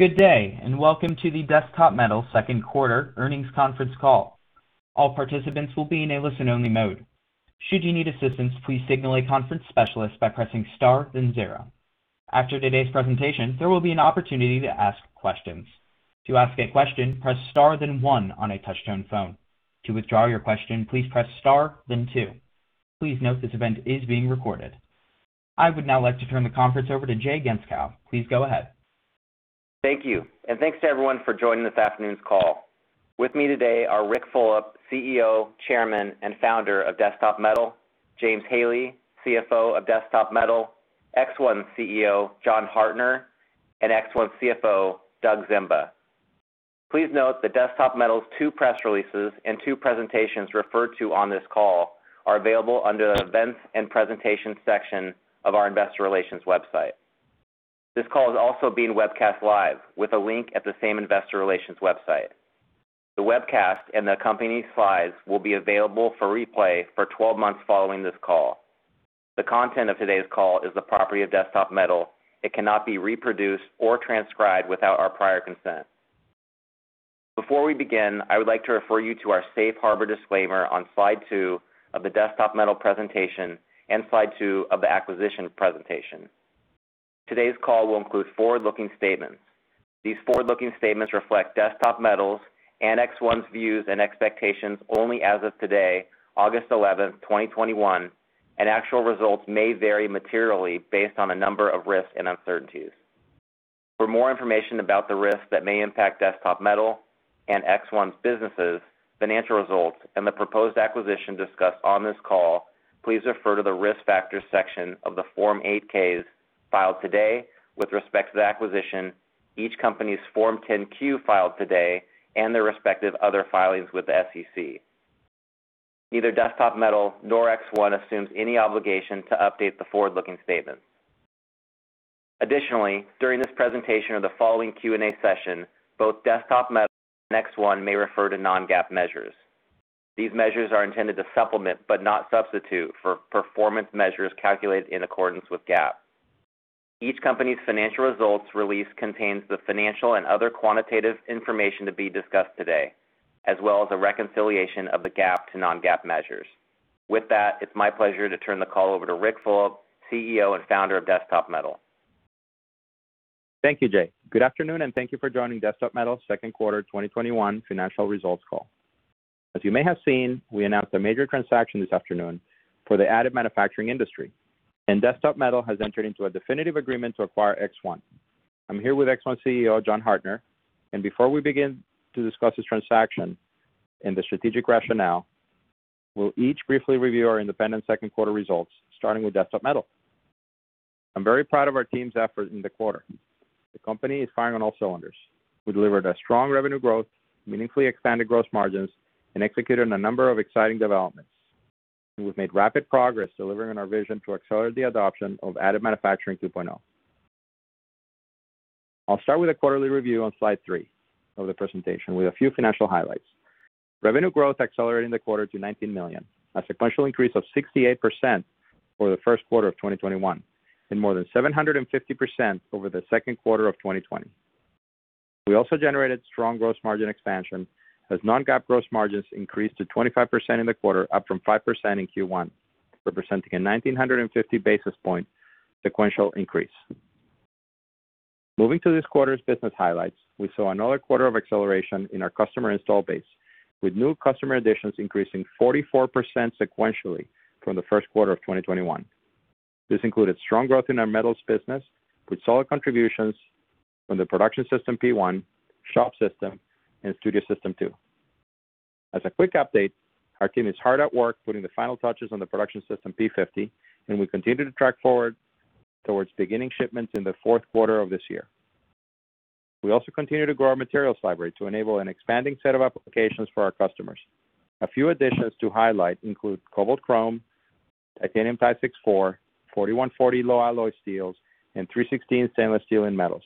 Good day. Welcome to the Desktop Metal second quarter earnings conference call. All participants will be in a listen-only mode. After today's presentation, there will be an opportunity to ask questions. Please note this event is being recorded. I would now like to turn the conference over to Jay Gentzkow. Please go ahead. Thank you. Thanks to everyone for joining this afternoon's call. With me today are Ric Fulop, CEO, Chairman, and Founder of Desktop Metal, James Haley, CFO of Desktop Metal, ExOne CEO, John Hartner, and ExOne CFO, Doug Zemba. Please note that Desktop Metal's two press releases and two presentations referred to on this call are available under the Events and Presentations section of our investor relations website. This call is also being webcast live with a link at the same investor relations website. The webcast and the accompanying slides will be available for replay for 12 months following this call. The content of today's call is the property of Desktop Metal. It cannot be reproduced or transcribed without our prior consent. Before we begin, I would like to refer you to our safe harbor disclaimer on slide two of the Desktop Metal presentation and slide two of the acquisition presentation. Today's call will include forward-looking statements. These forward-looking statements reflect Desktop Metal's and ExOne's views and expectations only as of today, August 11th, 2021, and actual results may vary materially based on a number of risks and uncertainties. For more information about the risks that may impact Desktop Metal and ExOne's businesses, financial results, and the proposed acquisition discussed on this call, please refer to the Risk Factors section of the Form 8-Ks filed today with respect to the acquisition, each company's Form 10-Q filed today, and their respective other filings with the SEC. Neither Desktop Metal nor ExOne assumes any obligation to update the forward-looking statements. Additionally, during this presentation or the following Q&A session, both Desktop Metal and ExOne may refer to non-GAAP measures. These measures are intended to supplement, but not substitute for, performance measures calculated in accordance with GAAP. Each company's financial results release contains the financial and other quantitative information to be discussed today, as well as a reconciliation of the GAAP to non-GAAP measures. With that, it's my pleasure to turn the call over to Ric Fulop, CEO and founder of Desktop Metal. Thank you, Jay. Good afternoon, and thank you for joining Desktop Metal's second quarter 2021 financial results call. As you may have seen, we announced a major transaction this afternoon for the additive manufacturing industry, and Desktop Metal has entered into a definitive agreement to acquire ExOne. I'm here with ExOne CEO, John Hartner, and before we begin to discuss this transaction and the strategic rationale, we'll each briefly review our independent second quarter results, starting with Desktop Metal. I'm very proud of our team's effort in the quarter. The company is firing on all cylinders. We delivered a strong revenue growth, meaningfully expanded gross margins, and executed on a number of exciting developments. We've made rapid progress delivering on our vision to accelerate the adoption of Additive Manufacturing 2.0. I'll start with a quarterly review on slide three of the presentation with a few financial highlights. Revenue growth accelerated in the quarter to $19 million, a sequential increase of 68% over the first quarter of 2021, and more than 750% over the second quarter of 2020. We also generated strong gross margin expansion, as non-GAAP gross margins increased to 25% in the quarter, up from 5% in Q1, representing a 1,950-basis point sequential increase. Moving to this quarter's business highlights, we saw another quarter of acceleration in our customer install base, with new customer additions increasing 44% sequentially from the first quarter of 2021. This included strong growth in our metals business, with solid contributions from the Production System P-1, Shop System, and Studio System 2. As a quick update, our team is hard at work putting the final touches on the Production System P-50, and we continue to track forward towards beginning shipments in the fourth quarter of this year. We also continue to grow our materials library to enable an expanding set of applications for our customers. A few additions to highlight include cobalt chrome, titanium Ti64, 4140 low-alloy steels, and 316 stainless steel in metals,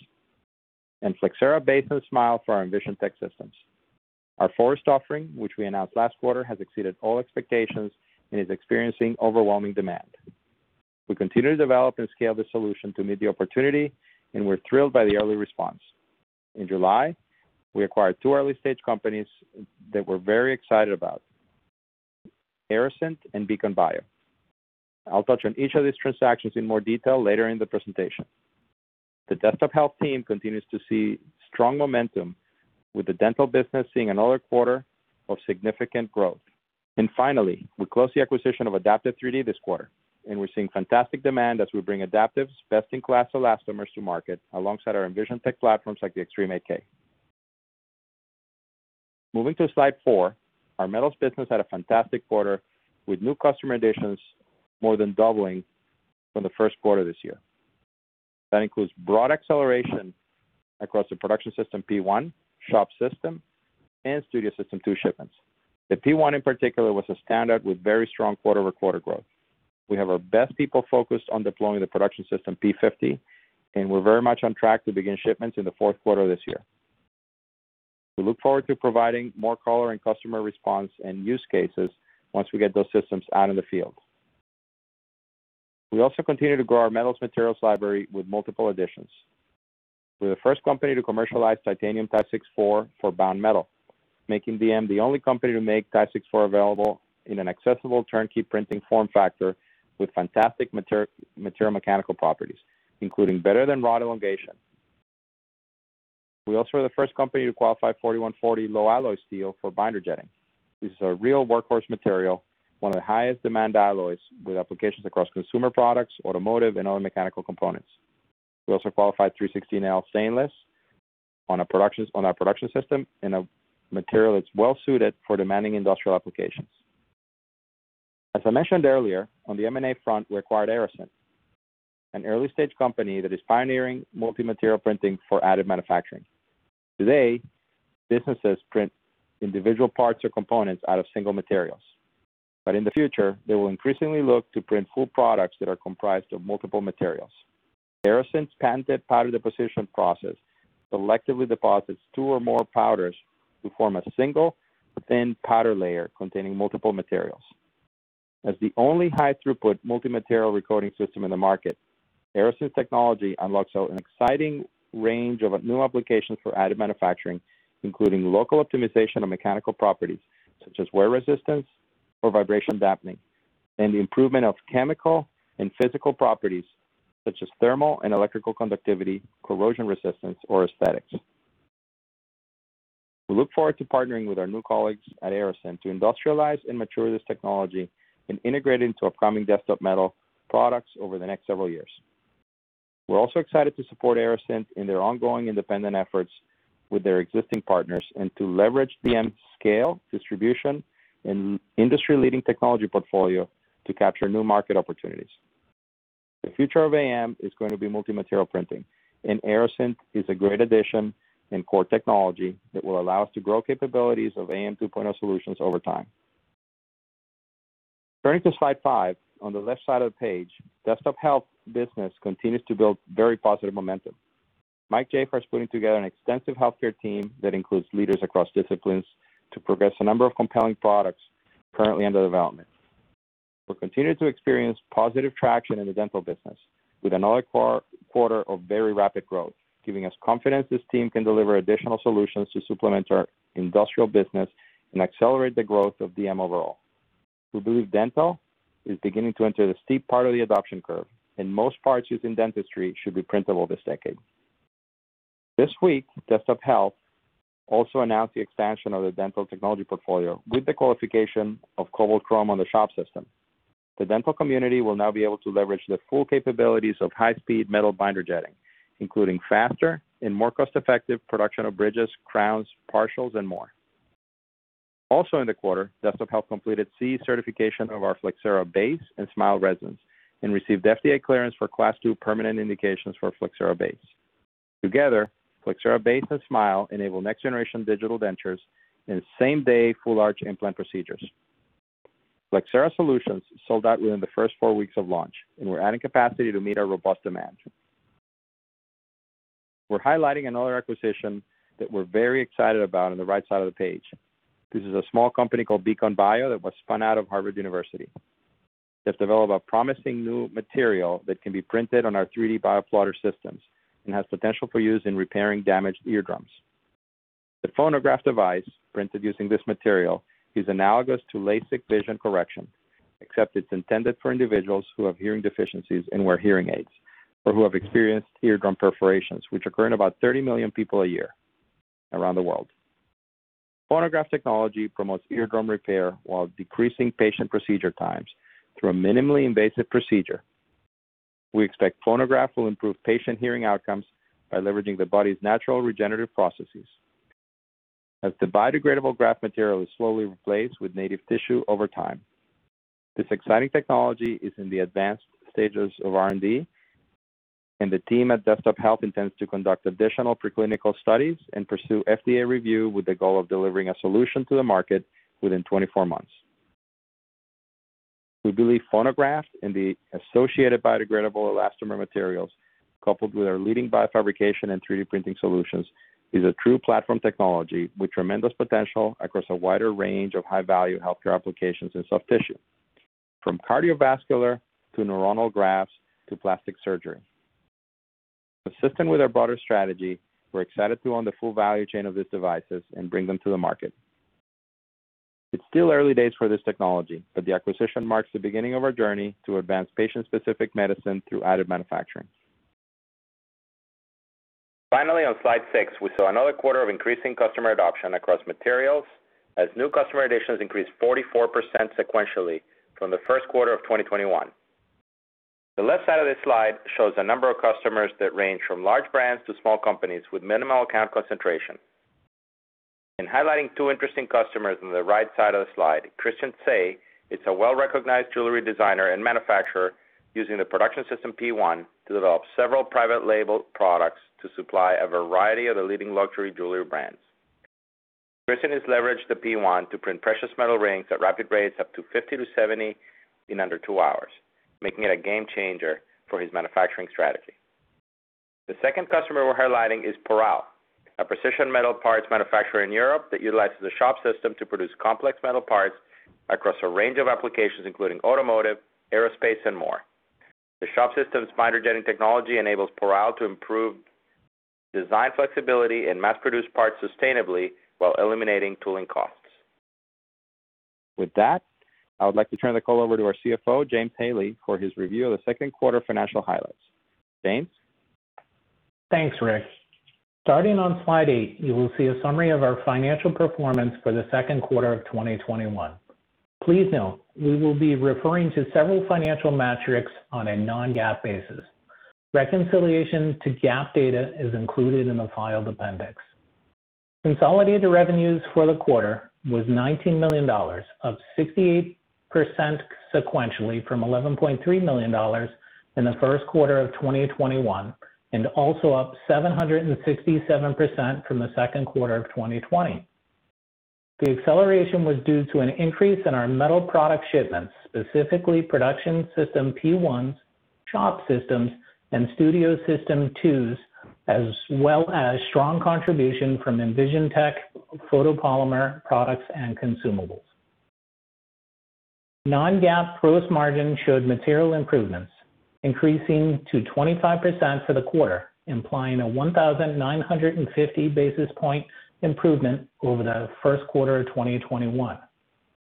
and Flexcera Base and Smile for our EnvisionTEC systems. Our Forust offering, which we announced last quarter, has exceeded all expectations and is experiencing overwhelming demand. We continue to develop and scale the solution to meet the opportunity, and we're thrilled by the early response. In July, we acquired two early-stage companies that we're very excited about, Aerosint and Beacon Bio. I'll touch on each of these transactions in more detail later in the presentation. The Desktop Health team continues to see strong momentum, with the dental business seeing another quarter of significant growth. Finally, we closed the acquisition of Adaptive3D this quarter, and we're seeing fantastic demand as we bring Adaptive's best-in-class elastomers to market alongside our EnvisionTEC platforms like the Xtreme 8K. Moving to slide four, our metals business had a fantastic quarter, with new customer additions more than doubling from the first quarter of this year. That includes broad acceleration across the Production System P-1, Shop System, and Studio System 2 shipments. The P-1 in particular was a standout with very strong quarter-over-quarter growth. We have our best people focused on deploying the Production System P-50, and we're very much on track to begin shipments in the fourth quarter of this year. We look forward to providing more color and customer response and use cases once we get those systems out in the field. We also continue to grow our metals materials library with multiple additions. We're the first company to commercialize titanium Ti64 for bound metal, making DM the only company to make Ti64 available in an accessible turnkey printing form factor with fantastic material mechanical properties, including better than wrought elongation. We also are the first company to qualify 4140 low alloy steel for binder jetting. This is a real workhorse material, one of the highest demand alloys with applications across consumer products, automotive, and other mechanical components. We also qualified 316L stainless on our production system in a material that's well-suited for demanding industrial applications. As I mentioned earlier, on the M&A front, we acquired Aerosint, an early-stage company that is pioneering multi-material printing for additive manufacturing. Today, businesses print individual parts or components out of single materials. In the future, they will increasingly look to print full products that are comprised of multiple materials. Aerosint's patented powder deposition process selectively deposits two or more powders to form a single but thin powder layer containing multiple materials. As the only high throughput multi-material recoating system in the market, Aerosint's technology unlocks an exciting range of new applications for additive manufacturing, including local optimization of mechanical properties such as wear resistance or vibration dampening, and the improvement of chemical and physical properties such as thermal and electrical conductivity, corrosion resistance, or aesthetics. We look forward to partnering with our new colleagues at Aerosint to industrialize and mature this technology and integrate into upcoming Desktop Metal products over the next several years. We're also excited to support Aerosint in their ongoing independent efforts with their existing partners and to leverage DM's scale, distribution, and industry-leading technology portfolio to capture new market opportunities. The future of AM is going to be multi-material printing. Aerosint is a great addition in core technology that will allow us to grow capabilities of AM 2.0 solutions over time. Turning to slide five, on the left side of the page, Desktop Health business continues to build very positive momentum. Mike Jafar is putting together an extensive healthcare team that includes leaders across disciplines to progress a number of compelling products currently under development. We're continuing to experience positive traction in the dental business with another quarter of very rapid growth, giving us confidence this team can deliver additional solutions to supplement our industrial business and accelerate the growth of DM overall. We believe dental is beginning to enter the steep part of the adoption curve. Most parts used in dentistry should be printable this decade. This week, Desktop Health also announced the expansion of the dental technology portfolio with the qualification of cobalt chrome on the Shop System. The dental community will now be able to leverage the full capabilities of high-speed metal binder jetting, including faster and more cost-effective production of bridges, crowns, partials, and more. Also in the quarter, Desktop Health completed CE certification of our Flexcera Base and Smile resins and received FDA clearance for Class II permanent indications for Flexcera Base. Together, Flexcera Base and Smile enable next-generation digital dentures and same-day full arch implant procedures. Flexcera solutions sold out within the first four weeks of launch, we're adding capacity to meet our robust demand. We're highlighting another acquisition that we're very excited about on the right side of the page. This is a small company called Beacon Bio that was spun out of Harvard University. They've developed a promising new material that can be printed on our 3D-Bioplotter systems and has potential for use in repairing damaged eardrums. The PhonoGraft device printed using this material is analogous to LASIK vision correction, except it's intended for individuals who have hearing deficiencies and wear hearing aids or who have experienced eardrum perforations, which occur in about 30 million people a year around the world. PhonoGraft technology promotes eardrum repair while decreasing patient procedure times through a minimally invasive procedure. We expect PhonoGraft will improve patient hearing outcomes by leveraging the body's natural regenerative processes as the biodegradable graft material is slowly replaced with native tissue over time. This exciting technology is in the advanced stages of R&D, and the team at Desktop Health intends to conduct additional preclinical studies and pursue FDA review with the goal of delivering a solution to the market within 24 months. We believe PhonoGraft and the associated biodegradable elastomer materials, coupled with our leading biofabrication and 3D printing solutions, is a true platform technology with tremendous potential across a wider range of high-value healthcare applications in soft tissue, from cardiovascular to neuronal grafts to plastic surgery. Consistent with our broader strategy, we're excited to own the full value chain of these devices and bring them to the market. It's still early days for this technology, the acquisition marks the beginning of our journey to advance patient-specific medicine through additive manufacturing. Finally, on slide six, we saw another quarter of increasing customer adoption across materials as new customer additions increased 44% sequentially from the first quarter of 2021. The left side of this slide shows a number of customers that range from large brands to small companies with minimal account concentration. In highlighting two interesting customers on the right side of the slide, Christian Tse is a well-recognized jewelry designer and manufacturer using the Production System P1 to develop several private label products to supply a variety of the leading luxury jewelry brands. Christian has leveraged the P1 to print precious metal rings at rapid rates up to 50 to 70 in under two hours, making it a game-changer for his manufacturing strategy. The second customer we're highlighting is Poral, a precision metal parts manufacturer in Europe that utilizes the Shop System to produce complex metal parts across a range of applications, including automotive, aerospace, and more. The Shop System's binder jetting technology enables Poral to improve design flexibility and mass-produce parts sustainably while eliminating tooling costs. With that, I would like to turn the call over to our CFO, James Haley, for his review of the second quarter financial highlights. James Haley? Thanks, Ric. Starting on slide eight, you will see a summary of our financial performance for the second quarter of 2021. Please note we will be referring to several financial metrics on a non-GAAP basis. Reconciliation to GAAP data is included in the filed appendix. Consolidated revenues for the quarter was $19 million, up 68% sequentially from $11.3 million in the first quarter of 2021, and also up 767% from the second quarter of 2020. The acceleration was due to an increase in our metal product shipments, specifically Production System P-1s, Shop Systems, and Studio System 2s, as well as strong contribution from EnvisionTEC photopolymer products and consumables. Non-GAAP gross margin showed material improvements, increasing to 25% for the quarter, implying a 1,950 basis point improvement over the first quarter of 2021.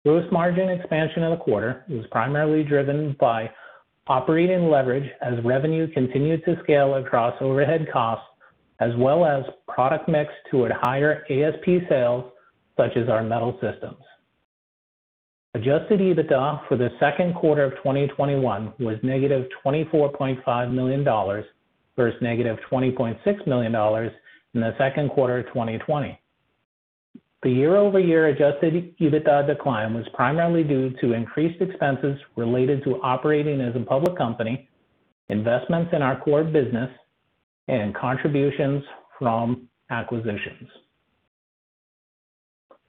Gross margin expansion in the quarter was primarily driven by operating leverage as revenue continued to scale across overhead costs, as well as product mix toward higher ASP sales, such as our metal systems. Adjusted EBITDA for the second quarter of 2021 was -$24.5 million versus -$20.6 million in the second quarter of 2020. The year-over-year adjusted EBITDA decline was primarily due to increased expenses related to operating as a public company, investments in our core business, and contributions from acquisitions.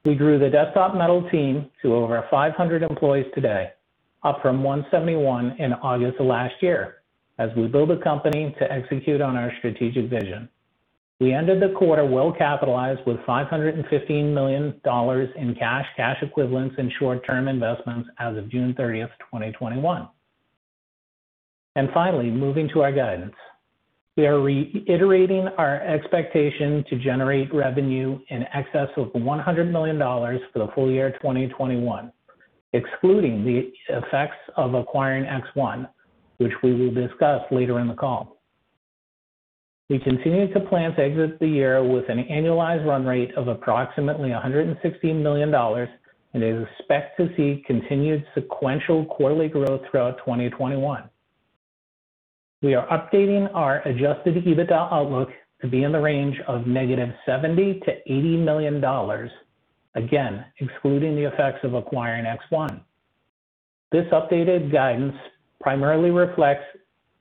We grew the Desktop Metal team to over 500 employees today, up from 171 in August of last year, as we build a company to execute on our strategic vision. We ended the quarter well-capitalized with $515 million in cash equivalents, and short-term investments as of June 30th, 2021. Finally, moving to our guidance. We are reiterating our expectation to generate revenue in excess of $100 million for the full year 2021, excluding the effects of acquiring ExOne, which we will discuss later in the call. We continue to plan to exit the year with an annualized run rate of approximately $116 million and expect to see continued sequential quarterly growth throughout 2021. We are updating our adjusted EBITDA outlook to be in the range of negative $70 million-$80 million, again, excluding the effects of acquiring ExOne. This updated guidance primarily reflects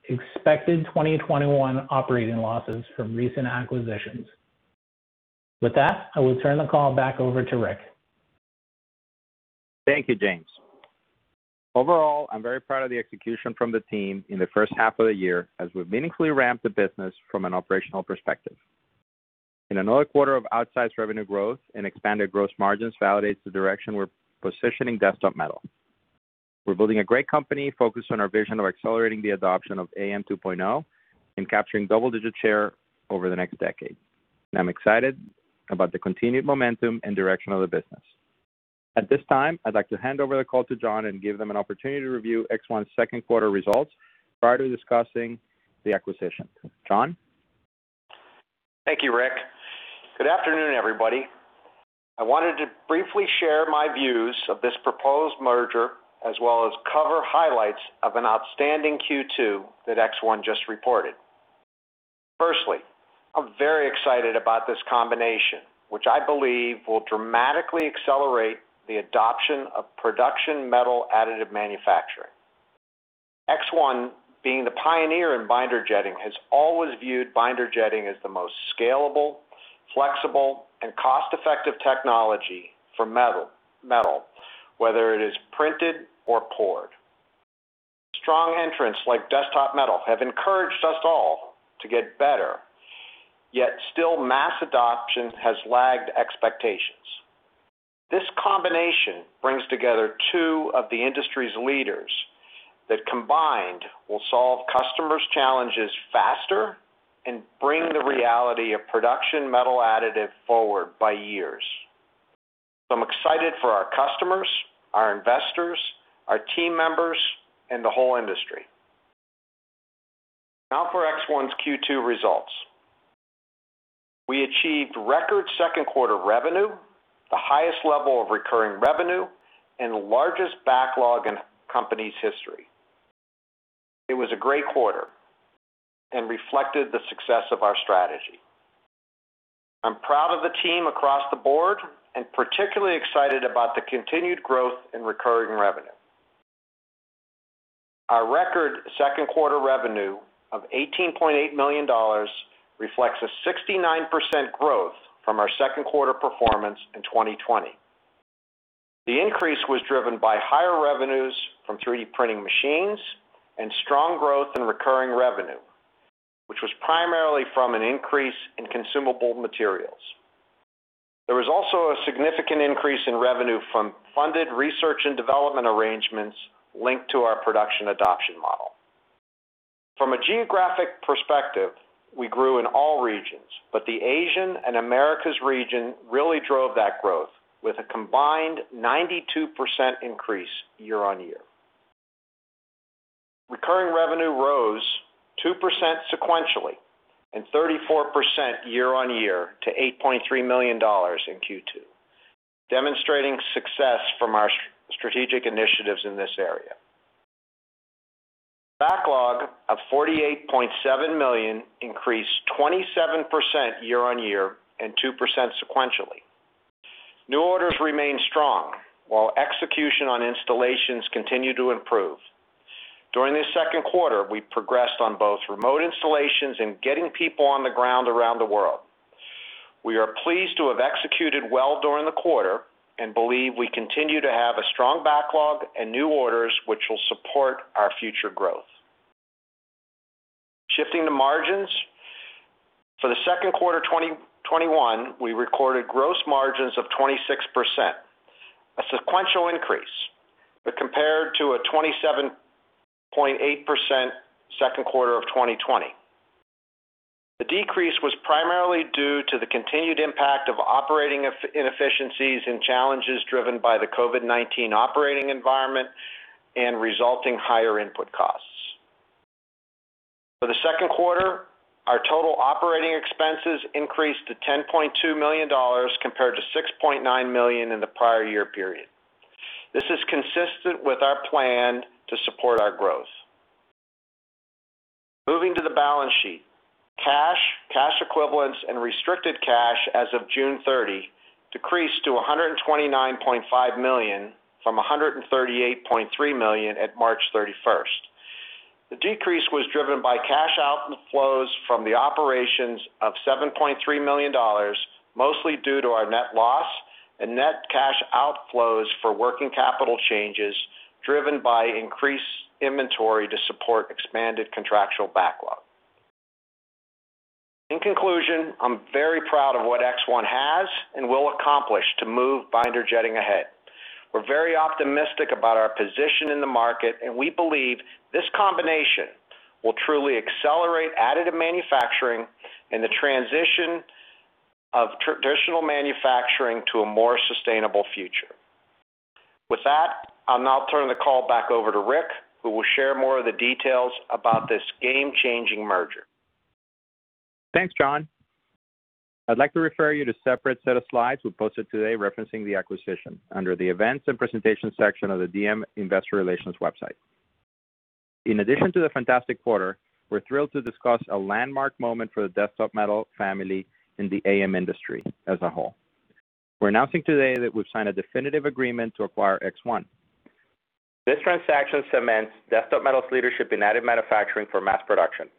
expected 2021 operating losses from recent acquisitions. With that, I will turn the call back over to Ric. Thank you, James. Overall, I'm very proud of the execution from the team in the first half of the year as we've meaningfully ramped the business from an operational perspective. Another quarter of outsized revenue growth and expanded gross margins validates the direction we're positioning Desktop Metal. We're building a great company focused on our vision of accelerating the adoption of AM 2.0 and capturing double-digit share over the next decade. I'm excited about the continued momentum and direction of the business. At this time, I'd like to hand over the call to John and give them an opportunity to review ExOne's second quarter results prior to discussing the acquisition. John? Thank you, Ric. Good afternoon, everybody. I wanted to briefly share my views of this proposed merger as well as cover highlights of an outstanding Q2 that ExOne just reported. Firstly, I'm very excited about this combination, which I believe will dramatically accelerate the adoption of production metal additive manufacturing. ExOne, being the pioneer in binder jetting, has always viewed binder jetting as the most scalable, flexible, and cost-effective technology for metal, whether it is printed or poured. Strong entrants like Desktop Metal have encouraged us all to get better, yet still mass adoption has lagged expectations. This combination brings together two of the industry's leaders that combined will solve customers' challenges faster and bring the reality of production metal additive forward by years. I'm excited for our customers, our investors, our team members, and the whole industry. Now for ExOne's Q2 results. We achieved record second quarter revenue, the highest level of recurring revenue, and the largest backlog in the company's history. It was a great quarter and reflected the success of our strategy. I'm proud of the team across the board, and particularly excited about the continued growth in recurring revenue. Our record second quarter revenue of $18.8 million reflects a 69% growth from our second quarter performance in 2020. The increase was driven by higher revenues from 3D printing machines and strong growth in recurring revenue, which was primarily from an increase in consumable materials. There was also a significant increase in revenue from funded research and development arrangements linked to our Production Adoption Model. From a geographic perspective, we grew in all regions, but the Asian and Americas region really drove that growth with a combined 92% increase year-over-year. Recurring revenue rose 2% sequentially, and 34% year-on-year to $8.3 million in Q2, demonstrating success from our strategic initiatives in this area. Backlog of $48.7 million increased 27% year-on-year and 2% sequentially. New orders remain strong while execution on installations continue to improve. During this second quarter, we progressed on both remote installations and getting people on the ground around the world. We are pleased to have executed well during the quarter and believe we continue to have a strong backlog and new orders, which will support our future growth. Shifting to margins, for the second quarter 2021, we recorded gross margins of 26%, a sequential increase, but compared to a 27.8% second quarter of 2020. The decrease was primarily due to the continued impact of operating inefficiencies and challenges driven by the COVID-19 operating environment and resulting higher input costs. For the second quarter, our total operating expenses increased to $10.2 million compared to $6.9 million in the prior year period. This is consistent with our plan to support our growth. Moving to the balance sheet. Cash, cash equivalents, and restricted cash as of June 30 decreased to $129.5 million from $138.3 million at March 31st. The decrease was driven by cash outflows from the operations of $7.3 million, mostly due to our net loss and net cash outflows for working capital changes driven by increased inventory to support expanded contractual backlog. In conclusion, I'm very proud of what ExOne has and will accomplish to move binder jetting ahead. We're very optimistic about our position in the market, and we believe this combination will truly accelerate additive manufacturing and the transition of traditional manufacturing to a more sustainable future. With that, I'll now turn the call back over to Ric, who will share more of the details about this game-changing merger. Thanks, John. I'd like to refer you to a separate set of slides we posted today referencing the acquisition under the Events and Presentation section of the DM investor relations website. In addition to the fantastic quarter, we're thrilled to discuss a landmark moment for the Desktop Metal family in the AM industry as a whole. We're announcing today that we've signed a definitive agreement to acquire ExOne. This transaction cements Desktop Metal's leadership in additive manufacturing for mass production.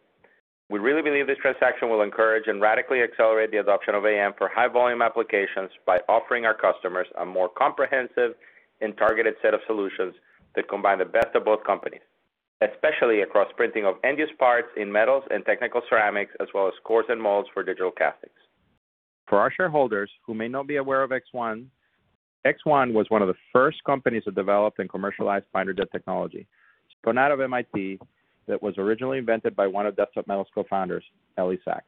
We really believe this transaction will encourage and radically accelerate the adoption of AM for high volume applications by offering our customers a more comprehensive and targeted set of solutions that combine the best of both companies, especially across printing of endless parts in metals and technical ceramics, as well as cores and molds for digital castings. For our shareholders who may not be aware of ExOne was one of the first companies to develop and commercialize binder jet technology, spun out of MIT, that was originally invented by one of Desktop Metal's co-founders, Ely Sachs.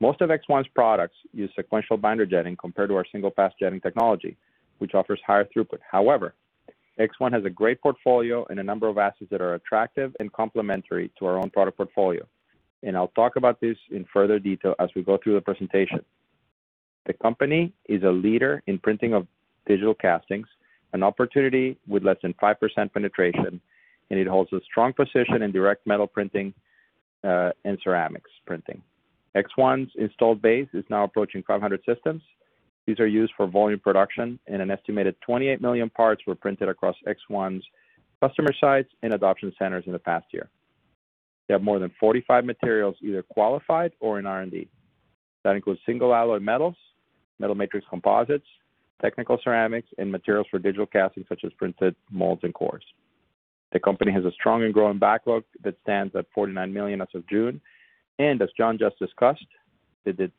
Most of ExOne's products use sequential binder jetting compared to our Single Pass Jetting technology, which offers higher throughput. However, ExOne has a great portfolio and a number of assets that are attractive and complementary to our own product portfolio. I'll talk about this in further detail as we go through the presentation. The company is a leader in printing of digital castings, an opportunity with less than 5% penetration, and it holds a strong position in direct metal printing, and ceramics printing. ExOne's installed base is now approaching 500 systems. These are used for volume production, an estimated 28 million parts were printed across ExOne's customer sites and adoption centers in the past year. They have more than 45 materials either qualified or in R&D. That includes single alloy metals, metal matrix composites, technical ceramics, and materials for digital casting, such as printed molds and cores. The company has a strong and growing backlog that stands at $49 million as of June. As John just discussed, they did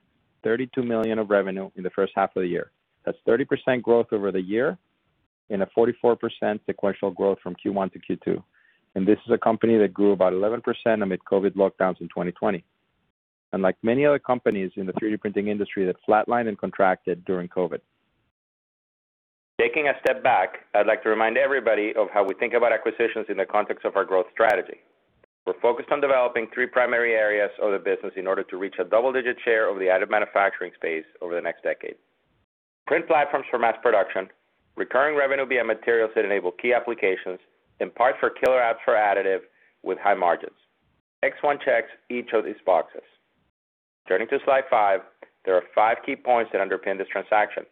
$32 million of revenue in the first half of the year. That's 30% growth over the year and a 44% sequential growth from Q1 to Q2. This is a company that grew about 11% amid COVID lockdowns in 2020. Unlike many other companies in the 3D printing industry that flatlined and contracted during COVID. Taking a step back, I'd like to remind everybody of how we think about acquisitions in the context of our growth strategy. We're focused on developing three primary areas of the business in order to reach a double-digit share of the additive manufacturing space over the next decade. Print platforms for mass production, recurring revenue via materials that enable key applications, and parts for killer apps for additive with high margins. ExOne checks each of these boxes. Turning to slide five, there are five key points that underpin this transaction,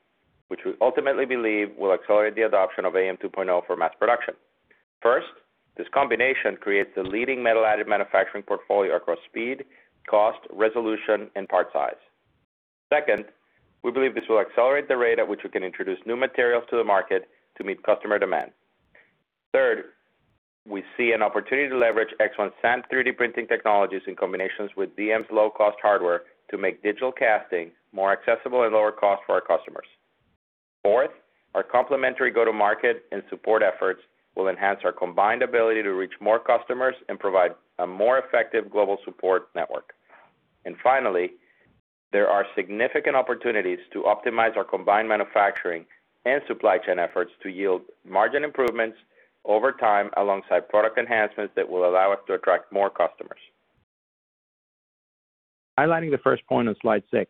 which we ultimately believe will accelerate the adoption of AM 2.0 for mass production. First, this combination creates the leading metal additive manufacturing portfolio across speed, cost, resolution, and part size. Second, we believe this will accelerate the rate at which we can introduce new materials to the market to meet customer demand. Third, we see an opportunity to leverage ExOne's sand 3D printing technologies in combinations with DM's low-cost hardware to make digital casting more accessible and lower cost for our customers. Fourth, our complementary go-to-market and support efforts will enhance our combined ability to reach more customers and provide a more effective global support network. Finally, there are significant opportunities to optimize our combined manufacturing and supply chain efforts to yield margin improvements over time, alongside product enhancements that will allow us to attract more customers. Highlighting the first point on slide six,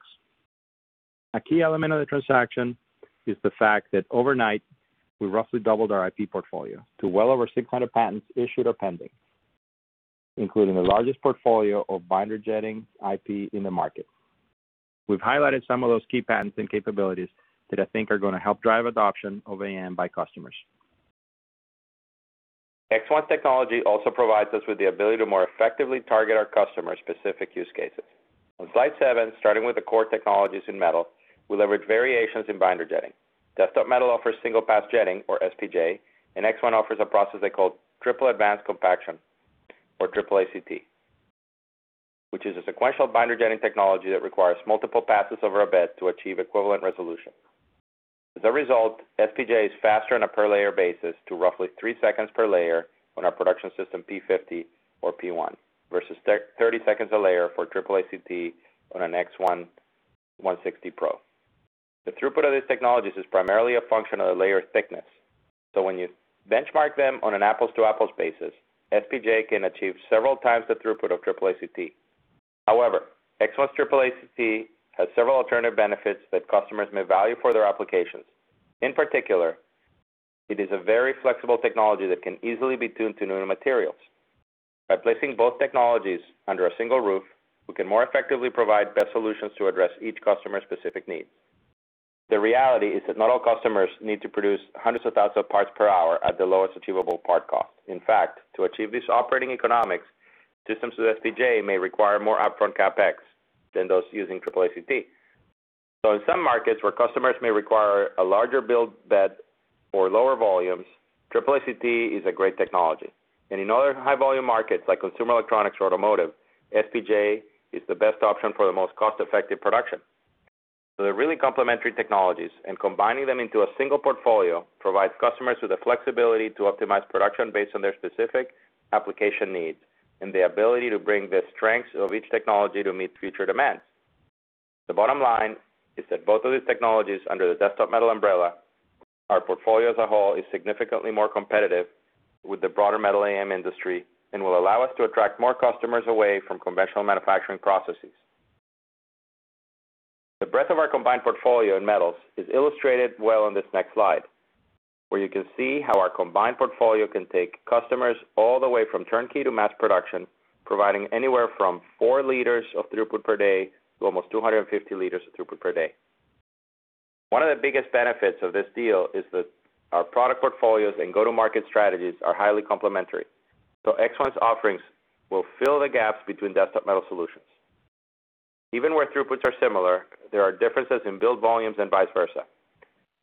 a key element of the transaction is the fact that overnight, we roughly doubled our IP portfolio to well over 600 patents issued or pending, including the largest portfolio of binder jetting IP in the market. We've highlighted some of those key patents and capabilities that I think are going to help drive adoption of AM by customers. ExOne technology also provides us with the ability to more effectively target our customers' specific use cases. On slide seven, starting with the core technologies in metal, we leverage variations in binder jetting. Desktop Metal offers Single Pass Jetting, or SPJ, and ExOne offers a process they call Triple Advanced Compaction, or Triple ACT, which is a sequential binder jetting technology that requires multiple passes over a bed to achieve equivalent resolution. As a result, SPJ is faster on a per-layer basis to roughly three seconds per layer on our Production System P-50 or P-1 versus 30 seconds a layer for Triple ACT on an X1 160Pro. The throughput of these technologies is primarily a function of the layer thickness. When you benchmark them on an apples-to-apples basis, SPJ can achieve several times the throughput of Triple ACT. However, ExOne's Triple ACT has several alternative benefits that customers may value for their applications. In particular, it is a very flexible technology that can easily be tuned to newer materials. By placing both technologies under a single roof, we can more effectively provide best solutions to address each customer's specific needs. The reality is that not all customers need to produce hundreds of thousands of parts per hour at the lowest achievable part cost. In fact, to achieve these operating economics, systems with SPJ may require more upfront CapEx than those using Triple ACT. In some markets where customers may require a larger build bed or lower volumes, Triple ACT is a great technology. In other high-volume markets like consumer electronics or automotive, SPJ is the best option for the most cost-effective production. They're really complementary technologies, and combining them into a single portfolio provides customers with the flexibility to optimize production based on their specific application needs and the ability to bring the strengths of each technology to meet future demands. The bottom line is that both of these technologies under the Desktop Metal umbrella, our portfolio as a whole is significantly more competitive with the broader metal AM industry and will allow us to attract more customers away from conventional manufacturing processes. The breadth of our combined portfolio in metals is illustrated well on this next slide, where you can see how our combined portfolio can take customers all the way from turnkey to mass production, providing anywhere from 4 liters of throughput per day to almost 250 liters of throughput per day. One of the biggest benefits of this deal is that our product portfolios and go-to-market strategies are highly complementary. ExOne's offerings will fill the gaps between Desktop Metal solutions. Even where throughputs are similar, there are differences in build volumes and vice versa.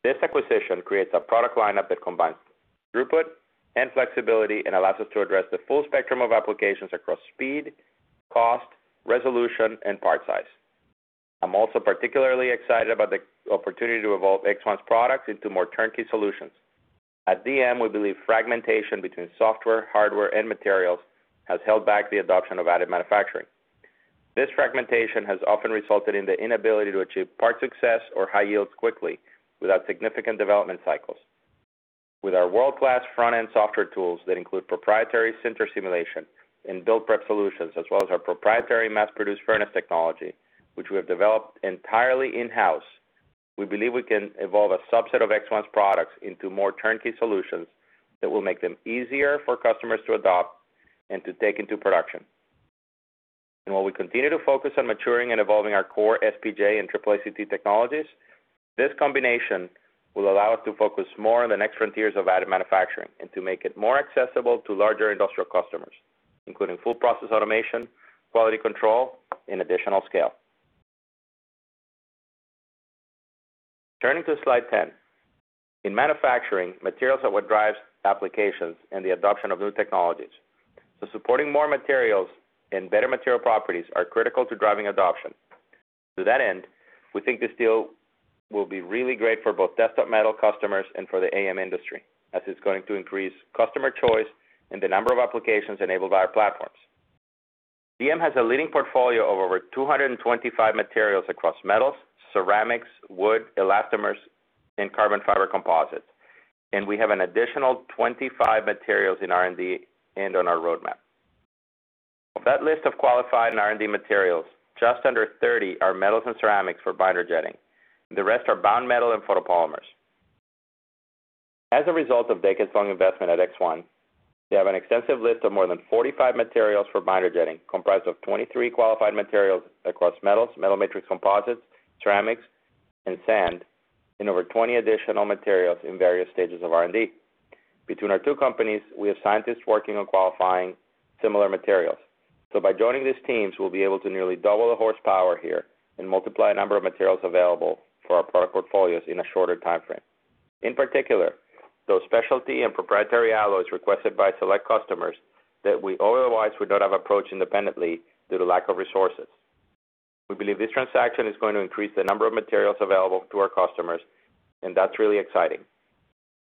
This acquisition creates a product lineup that combines throughput and flexibility and allows us to address the full spectrum of applications across speed, cost, resolution, and part size. I'm also particularly excited about the opportunity to evolve ExOne's products into more turnkey solutions. At DM, we believe fragmentation between software, hardware, and materials has held back the adoption of additive manufacturing. This fragmentation has often resulted in the inability to achieve part success or high yields quickly without significant development cycles. With our world-class front-end software tools that include proprietary sinter simulation and build prep solutions, as well as our proprietary mass-produced furnace technology, which we have developed entirely in-house, we believe we can evolve a subset of ExOne's products into more turnkey solutions that will make them easier for customers to adopt and to take into production. While we continue to focus on maturing and evolving our core SPJ and Triple ACT technologies, this combination will allow us to focus more on the next frontiers of additive manufacturing and to make it more accessible to larger industrial customers, including full process automation, quality control, and additional scale. Turning to slide 10, in manufacturing, materials are what drives applications and the adoption of new technologies. Supporting more materials and better material properties are critical to driving adoption. To that end, we think this deal will be really great for both Desktop Metal customers and for the AM industry, as it's going to increase customer choice and the number of applications enabled by our platforms. DM has a leading portfolio of over 225 materials across metals, ceramics, wood, elastomers, and carbon fiber composites, and we have an additional 25 materials in R&D and on our roadmap. Of that list of qualified and R&D materials, just under 30 are metals and ceramics for binder jetting, and the rest are bound metal and photopolymers. As a result of decade long investment at ExOne, they have an extensive list of more than 45 materials for binder jetting, comprised of 23 qualified materials across metals, metal matrix composites, ceramics, and sand in over 20 additional materials in various stages of R&D. Between our two companies, we have scientists working on qualifying similar materials. By joining these teams, we'll be able to nearly double the horsepower here and multiply the number of materials available for our product portfolios in a shorter timeframe. In particular, those specialty and proprietary alloys requested by select customers that we otherwise would not have approached independently due to lack of resources. We believe this transaction is going to increase the number of materials available to our customers, and that's really exciting.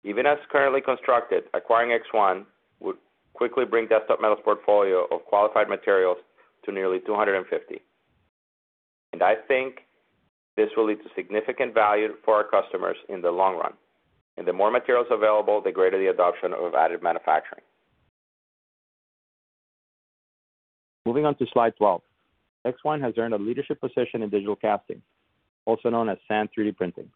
Even as currently constructed, acquiring ExOne would quickly bring Desktop Metal's portfolio of qualified materials to nearly 250. I think this will lead to significant value for our customers in the long run. The more materials available, the greater the adoption of additive manufacturing. Moving on to slide 12. ExOne has earned a leadership position in digital casting, also known as sand 3D printing.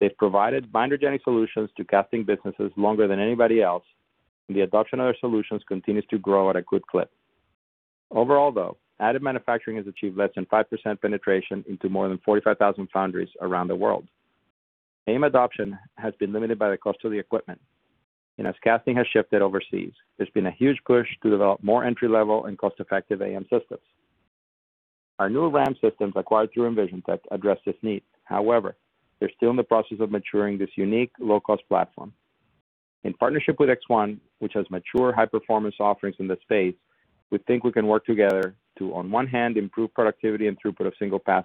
They've provided binder jetting solutions to casting businesses longer than anybody else, and the adoption of their solutions continues to grow at a good clip. Overall, though, additive manufacturing has achieved less than 5% penetration into more than 45,000 foundries around the world. AM adoption has been limited by the cost of the equipment. As casting has shifted overseas, there's been a huge push to develop more entry-level and cost-effective AM systems. Our newer RAM systems acquired through EnvisionTEC address this need. However, they're still in the process of maturing this unique, low-cost platform. In partnership with ExOne, which has mature high-performance offerings in this space, we think we can work together to, on one hand, improve productivity and throughput of single-pass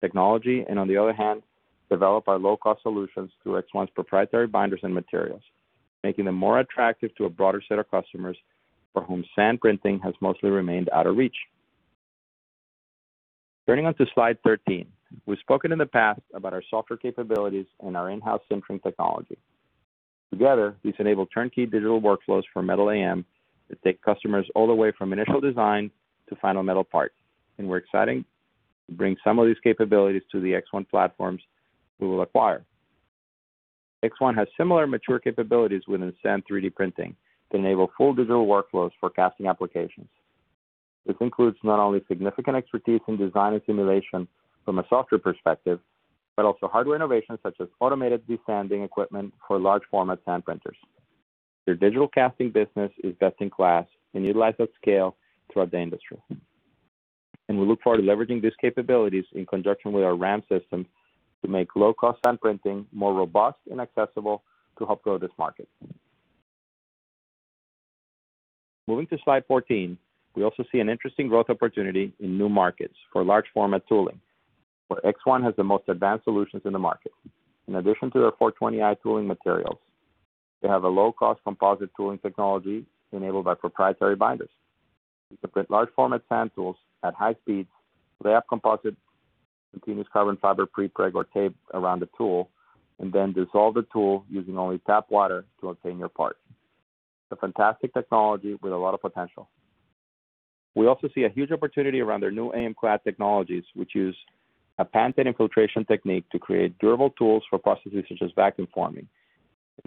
technology and on the other hand, develop our low-cost solutions through ExOne's proprietary binders and materials, making them more attractive to a broader set of customers for whom sand printing has mostly remained out of reach. Turning on to slide 13. We've spoken in the past about our software capabilities and our in-house sintering technology. Together, these enable turnkey digital workflows for metal AM that take customers all the way from initial design to final metal parts. We're exciting to bring some of these capabilities to the ExOne platforms we will acquire. ExOne has similar mature capabilities within sand 3D printing that enable full digital workflows for casting applications. This includes not only significant expertise in design and simulation from a software perspective, but also hardware innovations such as automated desanding equipment for large format sand printers. Their digital casting business is best in class and utilized at scale throughout the industry. We look forward to leveraging these capabilities in conjunction with our RAM system to make low-cost sand printing more robust and accessible to help grow this market. Moving to slide 14. We also see an interesting growth opportunity in new markets for large format tooling, where ExOne has the most advanced solutions in the market. In addition to their 420i tooling materials, they have a low-cost composite tooling technology enabled by proprietary binders. You can print large format sand tools at high speeds, lay up composite continuous carbon fiber prepreg or tape around the tool, and then dissolve the tool using only tap water to obtain your part. A fantastic technology with a lot of potential. We also see a huge opportunity around their new AMClad technologies, which use a patented infiltration technique to create durable tools for processes such as vacuum forming.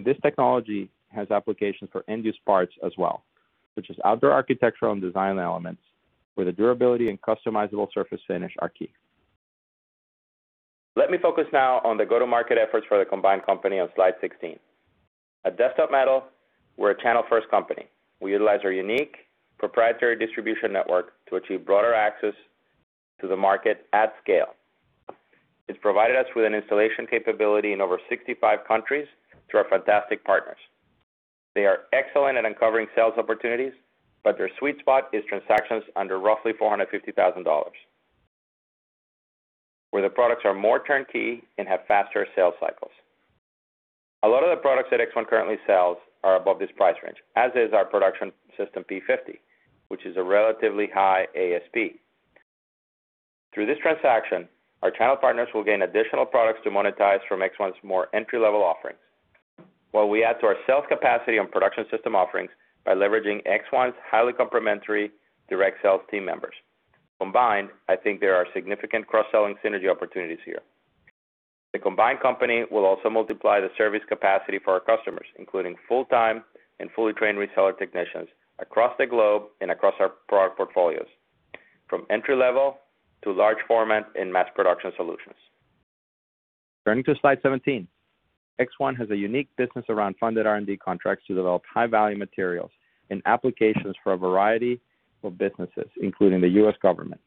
This technology has applications for end-use parts as well, such as outdoor architectural and design elements, where the durability and customizable surface finish are key. Let me focus now on the go-to-market efforts for the combined company on slide 16. At Desktop Metal, we're a channel-first company. We utilize our unique proprietary distribution network to achieve broader access to the market at scale. It's provided us with an installation capability in over 65 countries through our fantastic partners. They are excellent at uncovering sales opportunities, but their sweet spot is transactions under roughly $450,000, where the products are more turnkey and have faster sales cycles. A lot of the products that ExOne currently sells are above this price range, as is our Production System P-50, which is a relatively high ASP. Through this transaction, our channel partners will gain additional products to monetize from ExOne's more entry-level offerings while we add to our sales capacity on production system offerings by leveraging ExOne's highly complimentary direct sales team members. Combined, I think there are significant cross-selling synergy opportunities here. The combined company will also multiply the service capacity for our customers, including full-time and fully trained reseller technicians across the globe and across our product portfolios, from entry-level to large format and mass production solutions. Turning to slide 17. ExOne has a unique business around funded R&D contracts to develop high-value materials and applications for a variety of businesses, including the U.S. government.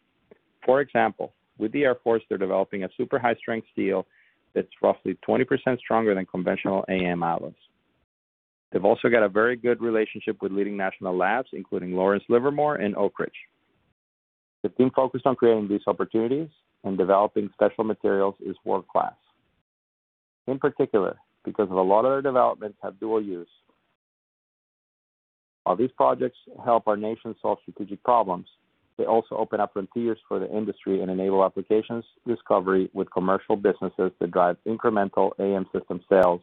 For example, with the Air Force, they're developing a super high-strength steel that's roughly 20% stronger than conventional AM alloys. They've also got a very good relationship with leading national labs, including Lawrence Livermore and Oak Ridge. The team focused on creating these opportunities and developing special materials is world-class. In particular, because of a lot of their developments have dual use. While these projects help our nation solve strategic problems, they also open up frontiers for the industry and enable applications discovery with commercial businesses that drive incremental AM system sales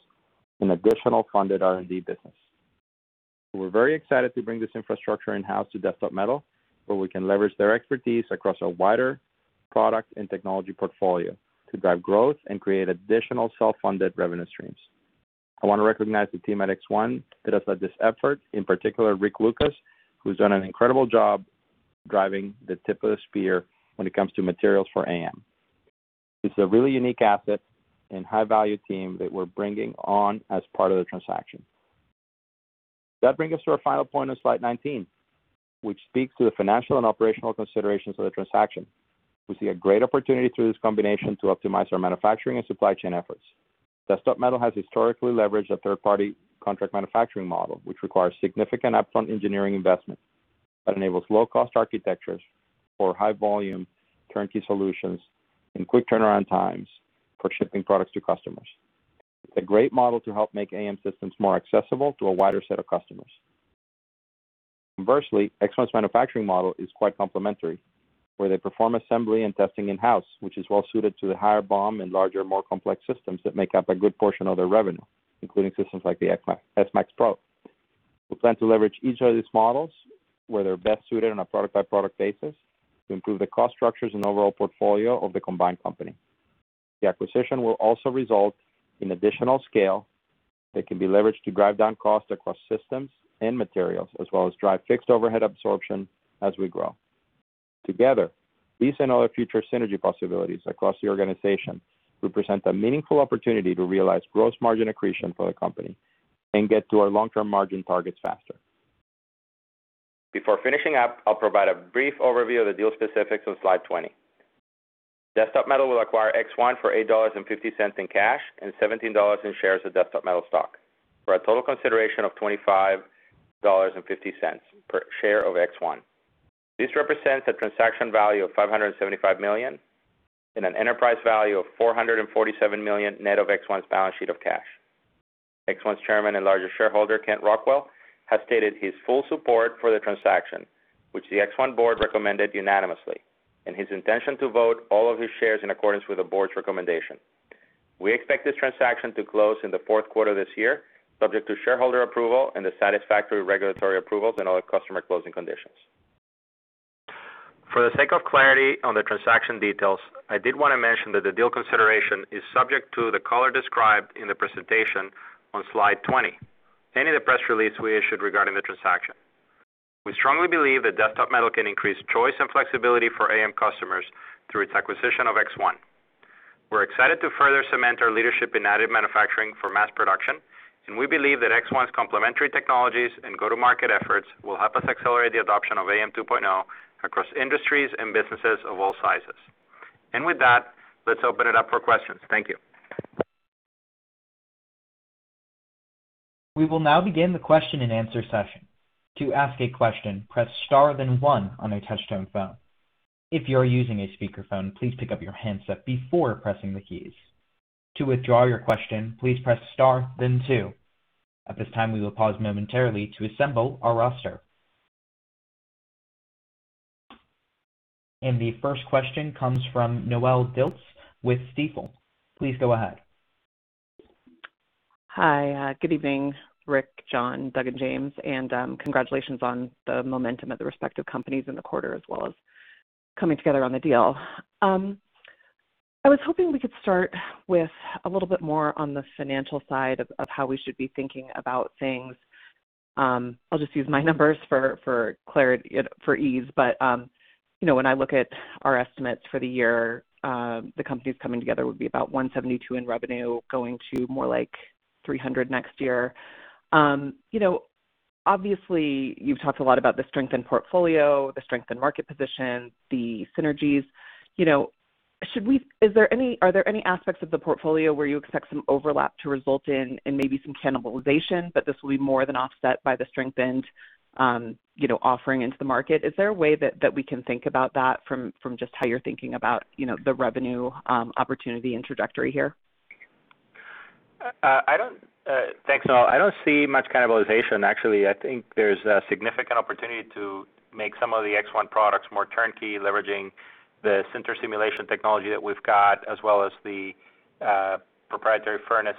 and additional funded R&D business. We're very excited to bring this infrastructure in-house to Desktop Metal, where we can leverage their expertise across a wider product and technology portfolio to drive growth and create additional self-funded revenue streams. I want to recognize the team at ExOne that has led this effort, in particular Rick Lucas, who's done an incredible job driving the tip of the spear when it comes to materials for AM. This is a really unique asset and high-value team that we're bringing on as part of the transaction. That brings us to our final point on slide 19, which speaks to the financial and operational considerations of the transaction. We see a great opportunity through this combination to optimize our manufacturing and supply chain efforts. Desktop Metal has historically leveraged a third-party contract manufacturing model, which requires significant upfront engineering investment that enables low-cost architectures for high-volume turnkey solutions and quick turnaround times for shipping products to customers. It's a great model to help make AM systems more accessible to a wider set of customers. Conversely, ExOne's manufacturing model is quite complementary, where they perform assembly and testing in-house, which is well-suited to the higher BOM and larger, more complex systems that make up a good portion of their revenue, including systems like the S-Max Pro. We plan to leverage each of these models where they're best suited on a product-by-product basis to improve the cost structures and overall portfolio of the combined company. The acquisition will also result in additional scale that can be leveraged to drive down costs across systems and materials, as well as drive fixed overhead absorption as we grow. Together, these and other future synergy possibilities across the organization represent a meaningful opportunity to realize gross margin accretion for the company and get to our long-term margin targets faster. Before finishing up, I'll provide a brief overview of the deal specifics on slide 20. Desktop Metal will acquire ExOne for $8.50 in cash and $17 in shares of Desktop Metal stock, for a total consideration of $25.50 per share of ExOne. This represents a transaction value of $575 million and an enterprise value of $447 million net of ExOne's balance sheet of cash. ExOne's chairman and largest shareholder, Kent Rockwell, has stated his full support for the transaction, which the ExOne board recommended unanimously, and his intention to vote all of his shares in accordance with the board's recommendation. We expect this transaction to close in the fourth quarter of this year, subject to shareholder approval and the satisfactory regulatory approvals and all customer closing conditions. For the sake of clarity on the transaction details, I did want to mention that the deal consideration is subject to the color described in the presentation on slide 20 and in the press release we issued regarding the transaction. We strongly believe that Desktop Metal can increase choice and flexibility for AM customers through its acquisition of ExOne. We're excited to further cement our leadership in additive manufacturing for mass production, and we believe that ExOne's complementary technologies and go-to-market efforts will help us accelerate the adoption of AM 2.0 across industries and businesses of all sizes. With that, let's open it up for questions. Thank you. We will now begin the question and answer session. At this time, we will pause momentarily to assemble our roster. The first question comes from Noelle Dilts with Stifel. Please go ahead. Hi. Good evening, Ric, John, Doug, and James, and congratulations on the momentum of the respective companies in the quarter, as well as coming together on the deal. I was hoping we could start with a little bit more on the financial side of how we should be thinking about things. I'll just use my numbers for ease. When I look at our estimates for the year, the companies coming together would be about $172 in revenue, going to more like $300 next year. Obviously, you've talked a lot about the strength in portfolio, the strength in market position, the synergies. Are there any aspects of the portfolio where you expect some overlap to result in maybe some cannibalization, but this will be more than offset by the strengthened offering into the market? Is there a way that we can think about that from just how you're thinking about the revenue opportunity and trajectory here? Thanks, Noelle. I don't see much cannibalization, actually. I think there's a significant opportunity to make some of the ExOne products more turnkey, leveraging the sinter simulation technology that we've got, as well as the proprietary furnace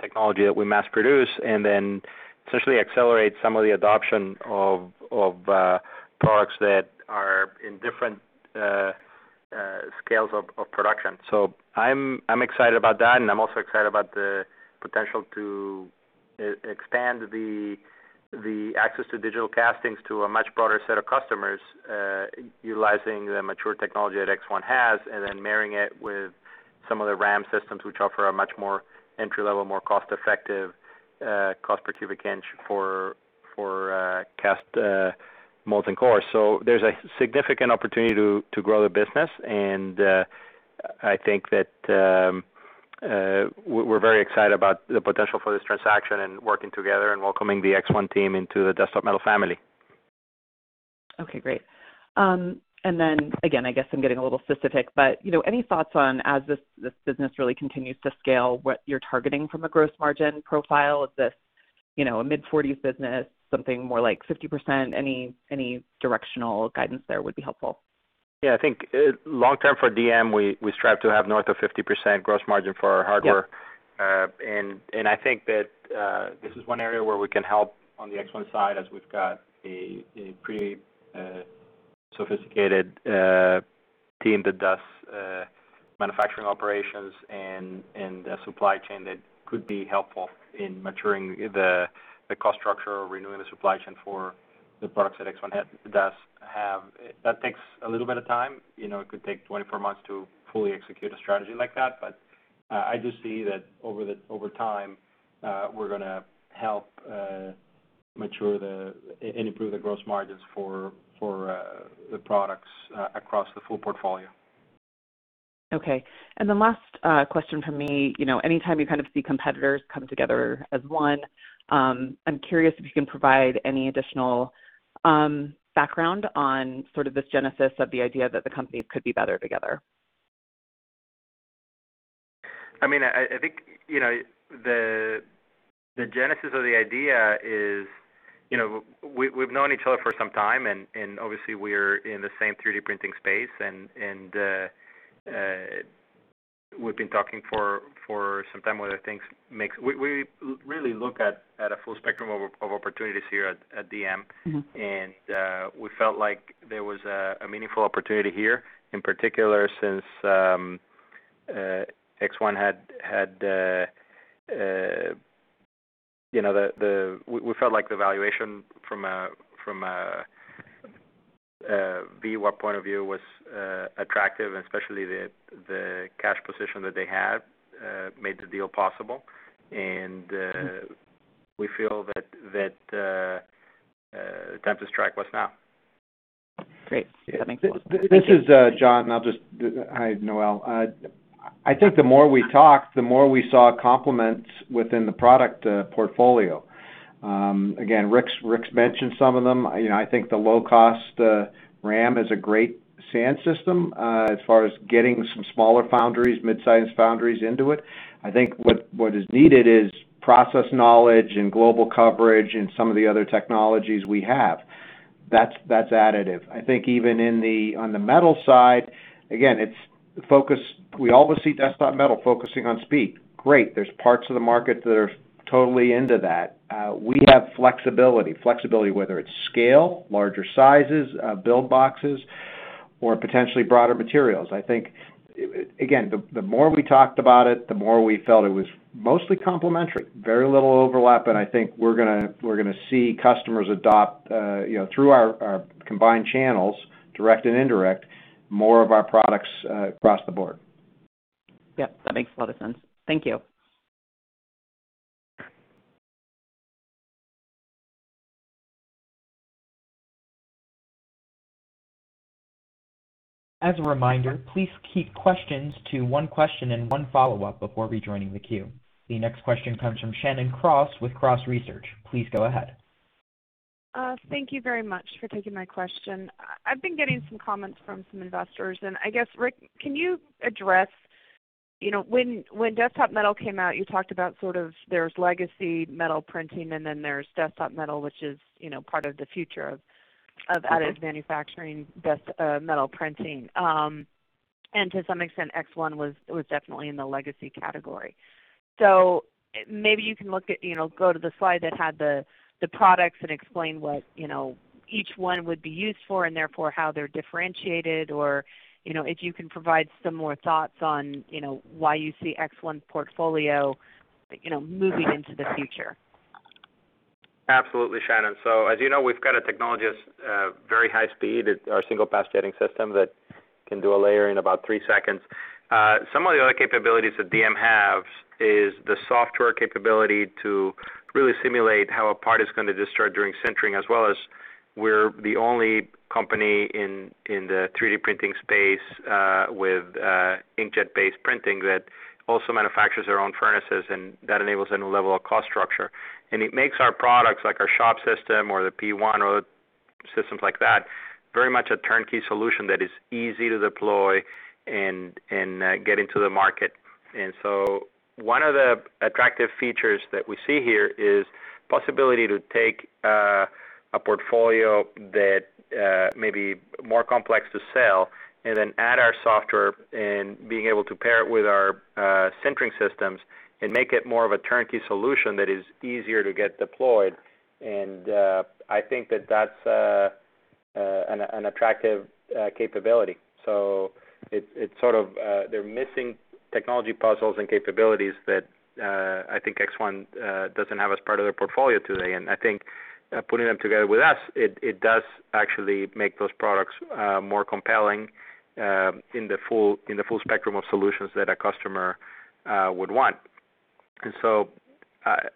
technology that we mass produce, and then essentially accelerate some of the adoption of products that are in different scales of production. I'm excited about that, and I'm also excited about the potential to expand the access to digital castings to a much broader set of customers, utilizing the mature technology that ExOne has, and then marrying it with some of the RAM systems which offer a much more entry-level, more cost-effective cost per cubic inch for cast molten cores. There's a significant opportunity to grow the business, and I think that we're very excited about the potential for this transaction and working together and welcoming the ExOne team into the Desktop Metal family. Okay, great. Again, I guess I'm getting a little specific, any thoughts on as this business really continues to scale, what you're targeting from a gross margin profile? Is this a mid-forties business, something more like 50%? Any directional guidance there would be helpful. Yeah, I think long term for DM, we strive to have north of 50% gross margin for our hardware. Yeah. I think that this is one area where we can help on the ExOne side as we've got a pretty sophisticated team that does manufacturing operations and a supply chain that could be helpful in maturing the cost structure or renewing the supply chain for the products that ExOne does have. That takes a little bit of time. It could take 24 months to fully execute a strategy like that. I do see that over time, we're going to help mature and improve the gross margins for the products across the full portfolio. Okay. The last question from me. Anytime you kind of see competitors come together as one, I'm curious if you can provide any additional background on sort of this genesis of the idea that the companies could be better together. I think the genesis of the idea is we've known each other for some time. Obviously we're in the same 3D printing space, and we've been talking for some time. We really look at a full spectrum of opportunities here at DM. We felt like there was a meaningful opportunity here, in particular, since ExOne had the, we felt like the valuation from a VWAP point of view was attractive. Especially the cash position that they have made the deal possible. We feel that the time to strike was now. Great. That makes a lot of sense. Thank you. This is John. Hi, Noelle. I think the more we talked, the more we saw compliments within the product portfolio. Again, Ric's mentioned some of them. I think the low-cost RAM is a great sand system as far as getting some smaller foundries, mid-sized foundries into it. I think what is needed is process knowledge and global coverage and some of the other technologies we have. That's additive. I think even on the metal side, again, we obviously see Desktop Metal focusing on speed. Great. There's parts of the market that are totally into that. We have flexibility. Flexibility, whether it's scale, larger sizes, build boxes or potentially broader materials. I think, again, the more we talked about it, the more we felt it was mostly complementary, very little overlap, and I think we're going to see customers adopt through our combined channels, direct and indirect, more of our products across the board. Yep, that makes a lot of sense. Thank you. As a reminder, please keep questions to one question and one follow-up before rejoining the queue. The next question comes from Shannon Cross with Cross Research. Please go ahead. Thank you very much for taking my question. I've been getting some comments from some investors, I guess, Ric, can you address when Desktop Metal came out, you talked about sort of there's legacy metal printing, then there's Desktop Metal, which is part of the future of additive manufacturing metal printing. To some extent, ExOne was definitely in the legacy category. Maybe you can go to the slide that had the products and explain what each one would be used for and therefore how they're differentiated or if you can provide some more thoughts on why you see ExOne's portfolio moving into the future. Absolutely, Shannon. As you know, we've got a technology that's very high speed. It's our Single Pass Jetting system that can do a layer in about three seconds. Some of the other capabilities that DM have is the software capability to really simulate how a part is going to distort during sintering, as well as we're the only company in the 3D printing space with inkjet-based printing that also manufactures their own furnaces. That enables a new level of cost structure. It makes our products, like our Shop System or the P-1 or systems like that, very much a turnkey solution that is easy to deploy and get into the market. One of the attractive features that we see here is possibility to take a portfolio that may be more complex to sell and then add our software and being able to pair it with our sintering systems and make it more of a turnkey solution that is easier to get deployed. I think that that's an attractive capability. It's sort of they're missing technology puzzles and capabilities that I think ExOne doesn't have as part of their portfolio today. I think putting them together with us, it does actually make those products more compelling in the full spectrum of solutions that a customer would want.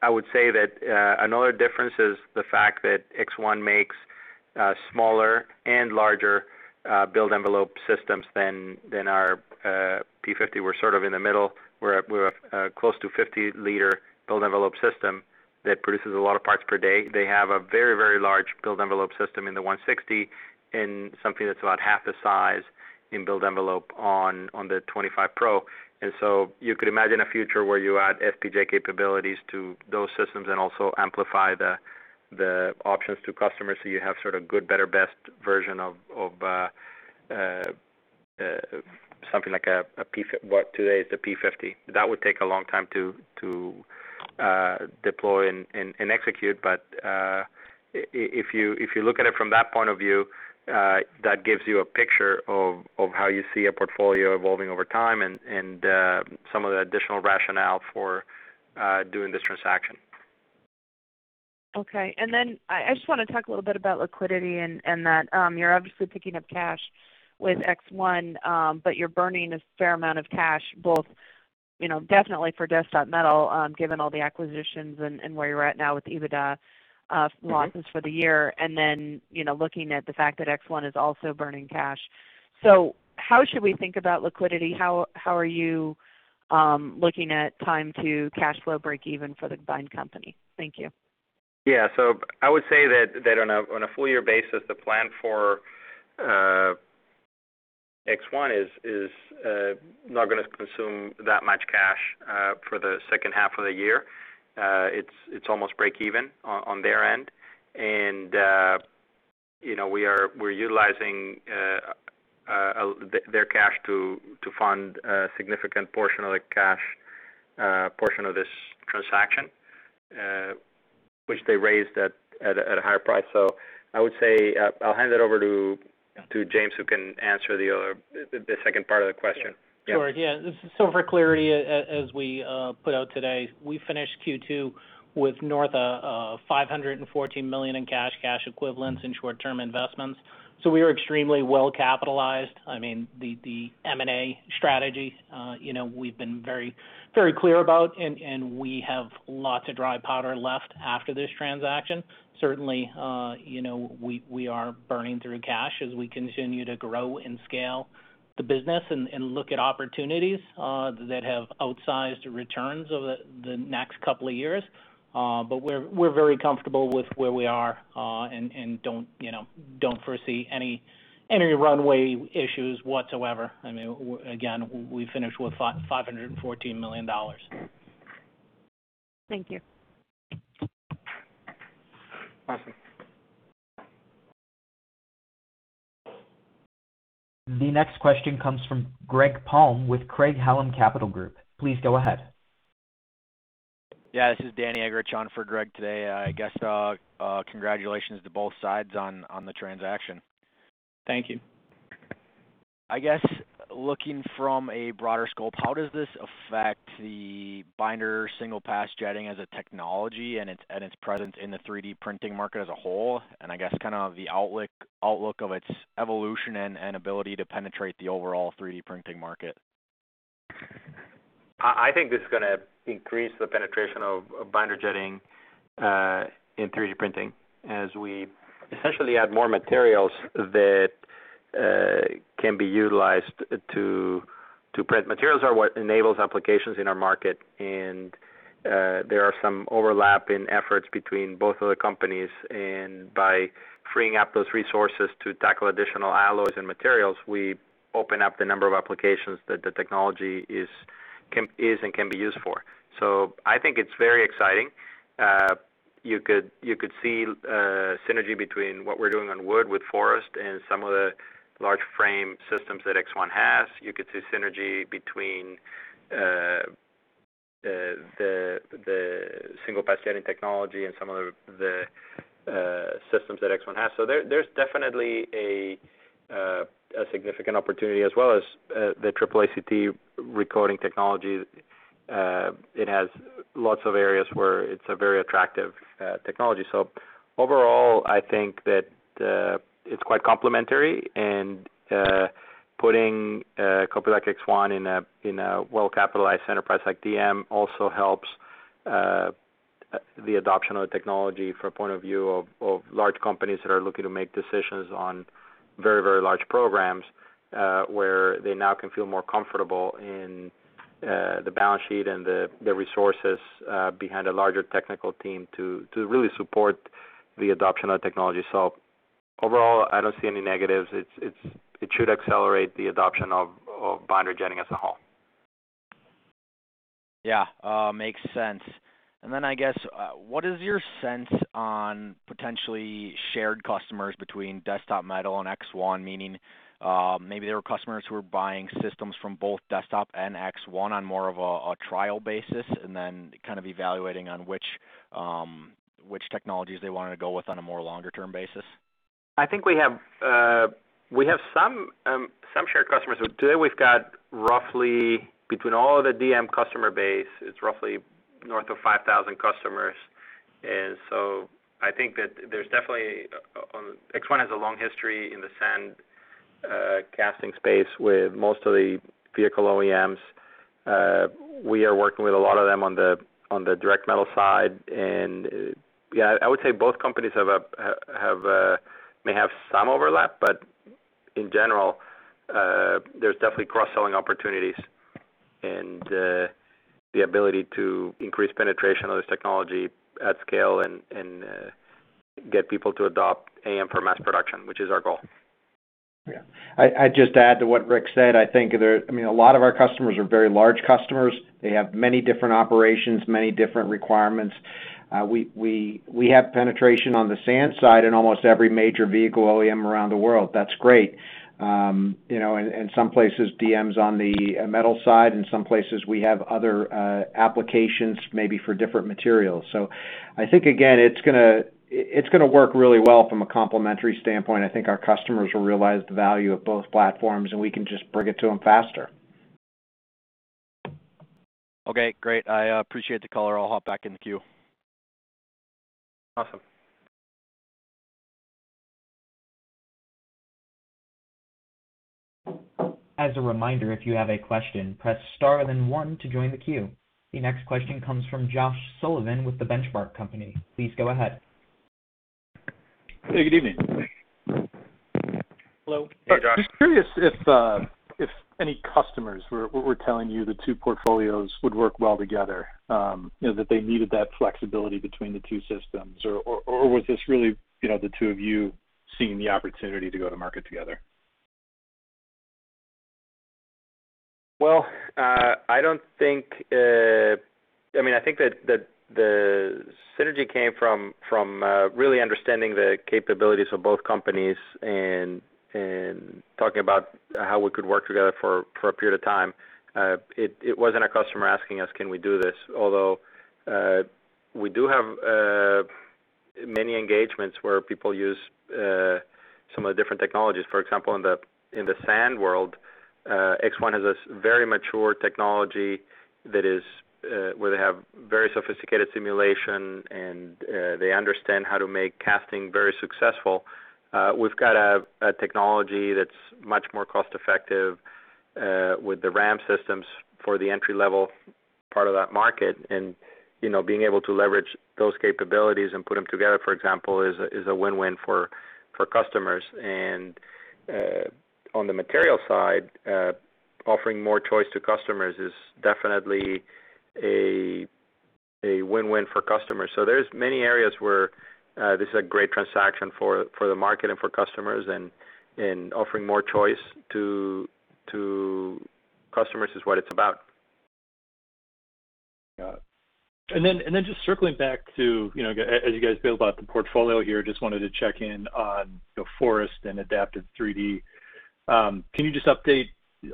I would say that another difference is the fact that ExOne makes smaller and larger build envelope systems than our P-50. We're sort of in the middle. We're close to 50-liter build envelope system that produces a lot of parts per day. They have a very, very large build envelope system in the 160 and something that's about half the size in build envelope on the 25Pro. You could imagine a future where you add SPJ capabilities to those systems and also amplify the options to customers so you have sort of good, better, best version of-something like what today is the P50. That would take a long time to deploy and execute. If you look at it from that point of view, that gives you a picture of how you see a portfolio evolving over time and some of the additional rationale for doing this transaction. Okay. I just want to talk a little bit about liquidity and that you're obviously picking up cash with ExOne, but you're burning a fair amount of cash, both definitely for Desktop Metal, given all the acquisitions and where you're at now with EBITDA losses for the year, looking at the fact that ExOne is also burning cash. How should we think about liquidity? How are you looking at time to cash flow breakeven for the combined company? Thank you. I would say that on a full-year basis, the plan for ExOne is not going to consume that much cash for the second half of the year. It's almost breakeven on their end. We're utilizing their cash to fund a significant portion of the cash portion of this transaction, which they raised at a higher price. I would say I'll hand it over to James, who can answer the second part of the question. Sure. Yeah. For clarity, as we put out today, we finished Q2 with north of $514 million in cash equivalents, and short-term investments. We are extremely well-capitalized. The M&A strategy we've been very clear about, and we have lots of dry powder left after this transaction. Certainly, we are burning through cash as we continue to grow and scale the business and look at opportunities that have outsized returns over the next couple of years. We're very comfortable with where we are and don't foresee any runway issues whatsoever. Again, we finished with $514 million. Thank you. Awesome. The next question comes from Greg Palm with Craig-Hallum Capital Group. Please go ahead. Yeah, this is Danny Eggerichs on for Greg today. I guess congratulations to both sides on the transaction. Thank you. I guess, looking from a broader scope, how does this affect the binder Single Pass Jetting as a technology and its presence in the 3D printing market as a whole, and I guess kind of the outlook of its evolution and ability to penetrate the overall 3D printing market? I think this is going to increase the penetration of binder jetting in 3D printing as we essentially add more materials that can be utilized to print. Materials are what enables applications in our market, and there are some overlap in efforts between both of the companies, and by freeing up those resources to tackle additional alloys and materials, we open up the number of applications that the technology is and can be used for. I think it's very exciting. You could see a synergy between what we're doing on wood with Forust and some of the large frame systems that ExOne has. You could see synergy between the Single Pass Jetting technology and some of the systems that ExOne has. There's definitely a significant opportunity as well as the Triple ACT recoating technology. It has lots of areas where it's a very attractive technology. Overall, I think that it's quite complementary and putting a company like ExOne in a well-capitalized enterprise like DM also helps the adoption of the technology from a point of view of large companies that are looking to make decisions on very large programs where they now can feel more comfortable in the balance sheet and the resources behind a larger technical team to really support the adoption of technology. Overall, I don't see any negatives. It should accelerate the adoption of binder jetting as a whole. Yeah. Makes sense. I guess, what is your sense on potentially shared customers between Desktop Metal and ExOne? Meaning maybe there were customers who were buying systems from both Desktop and ExOne on more of a trial basis, and then kind of evaluating on which technologies they wanted to go with on a more longer term basis. I think we have some shared customers. Today we've got roughly between all of the DM customer base, it's roughly north of 5,000 customers. ExOne has a long history in the sand casting space with most of the vehicle OEMs. We are working with a lot of them on the direct metal side. Yeah, I would say both companies may have some overlap, but in general, there's definitely cross-selling opportunities and the ability to increase penetration of this technology at scale and get people to adopt AM for mass production, which is our goal. Yeah. I just add to what Ric said, I think a lot of our customers are very large customers. They have many different operations, many different requirements. We have penetration on the sand side in almost every major vehicle OEM around the world. That's great. In some places, DM on the metal side, in some places, we have other applications, maybe for different materials. I think, again, it's going to work really well from a complementary standpoint. I think our customers will realize the value of both platforms, and we can just bring it to them faster. Okay, great. I appreciate the call. I'll hop back in the queue. Awesome. As a reminder, if you have a question, press star then one to join the queue. The next question comes from Josh Sullivan with The Benchmark Company. Please go ahead. Hey, good evening. Hello. Hey, Josh. Just curious if any customers were telling you the two portfolios would work well together, that they needed that flexibility between the two systems, or was this really the two of you seeing the opportunity to go to market together? I think that the synergy came from really understanding the capabilities of both companies and talking about how we could work together for a period of time. It wasn't a customer asking us, "Can we do this?" We do have many engagements where people use some of the different technologies. For example, in the sand world, ExOne has a very mature technology where they have very sophisticated simulation, and they understand how to make casting very successful. Being able to leverage those capabilities and put them together, for example, is a win-win for customers. On the material side, offering more choice to customers is definitely a win-win for customers. There's many areas where this is a great transaction for the market and for customers, and offering more choice to customers is what it's about. Got it. Just circling back to, as you guys build out the portfolio here, just wanted to check in on the Forust and Adaptive3D. Can you just update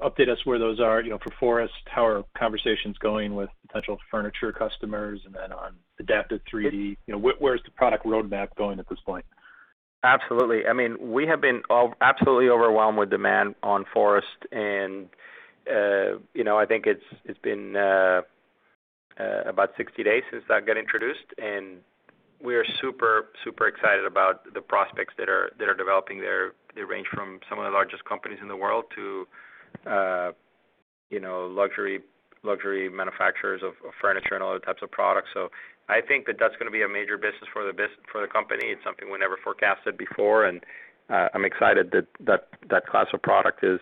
us where those are? For Forust, how are conversations going with potential furniture customers? On Adaptive3D, where is the product roadmap going at this point? Absolutely. We have been absolutely overwhelmed with demand on Forust. I think it's been about 60 days since that got introduced. We are super excited about the prospects that are developing there. They range from some of the largest companies in the world to luxury manufacturers of furniture and other types of products. I think that that's going to be a major business for the company. It's something we never forecasted before. I'm excited that that class of product has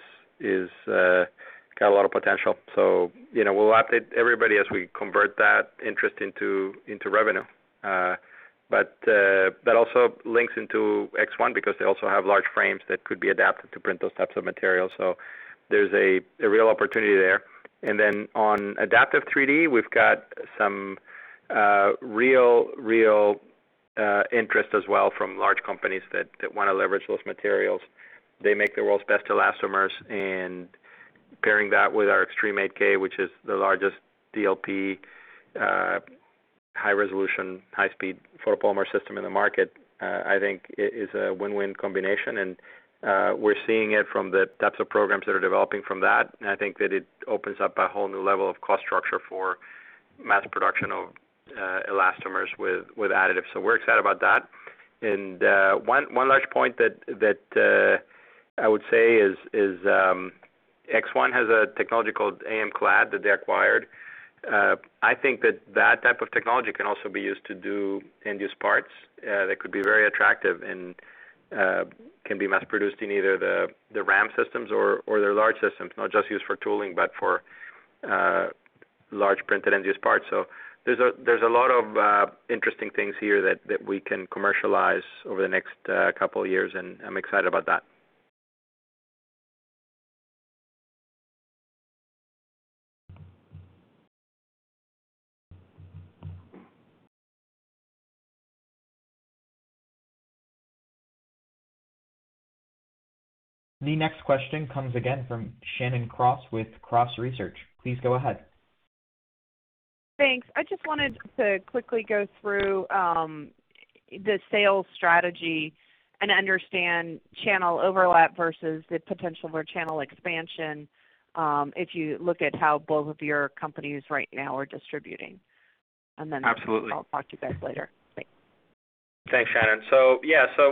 got a lot of potential. We'll update everybody as we convert that interest into revenue. That also links into ExOne because they also have large frames that could be adapted to print those types of materials. There's a real opportunity there. On Adaptive3D, we've got some real interest as well from large companies that want to leverage those materials. They make the world's best elastomers. Pairing that with our Xtreme 8K, which is the largest DLP high-resolution, high-speed photopolymer system in the market, I think is a win-win combination, and we're seeing it from the types of programs that are developing from that. I think that it opens up a whole new level of cost structure for mass production of elastomers with additives. We're excited about that. One last point that I would say is ExOne has a technology called AMClad that they acquired. I think that that type of technology can also be used to do end-use parts that could be very attractive and can be mass-produced in either the RAM systems or their large systems, not just used for tooling, but for large printed end-use parts. There's a lot of interesting things here that we can commercialize over the next two years, and I'm excited about that. The next question comes again from Shannon Cross with Cross Research. Please go ahead. Thanks. I just wanted to quickly go through the sales strategy and understand channel overlap versus the potential for channel expansion if you look at how both of your companies right now are distributing. Absolutely I'll talk to you guys later. Thanks. Thanks, Shannon.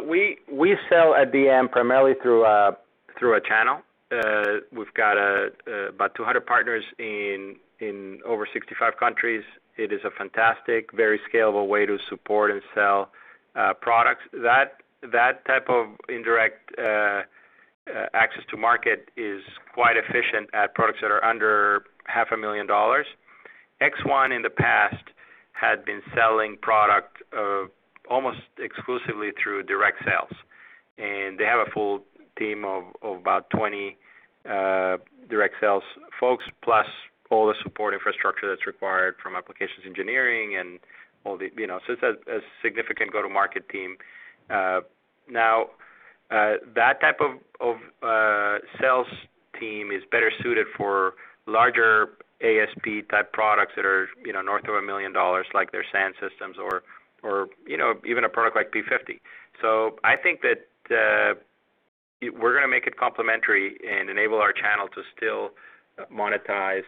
We sell at DM primarily through a channel. We've got about 200 partners in over 65 countries. It is a fantastic, very scalable way to support and sell products. That type of indirect access to market is quite efficient at products that are under half a million dollars. ExOne in the past had been selling product almost exclusively through direct sales. They have a full team of about 20 direct sales folks, plus all the support infrastructure that's required from applications engineering. It's a significant go-to-market team. That type of sales team is better suited for larger ASP-type products that are north of $1 million, like their sand systems or even a product like P-50. I think that we're going to make it complementary and enable our channel to still monetize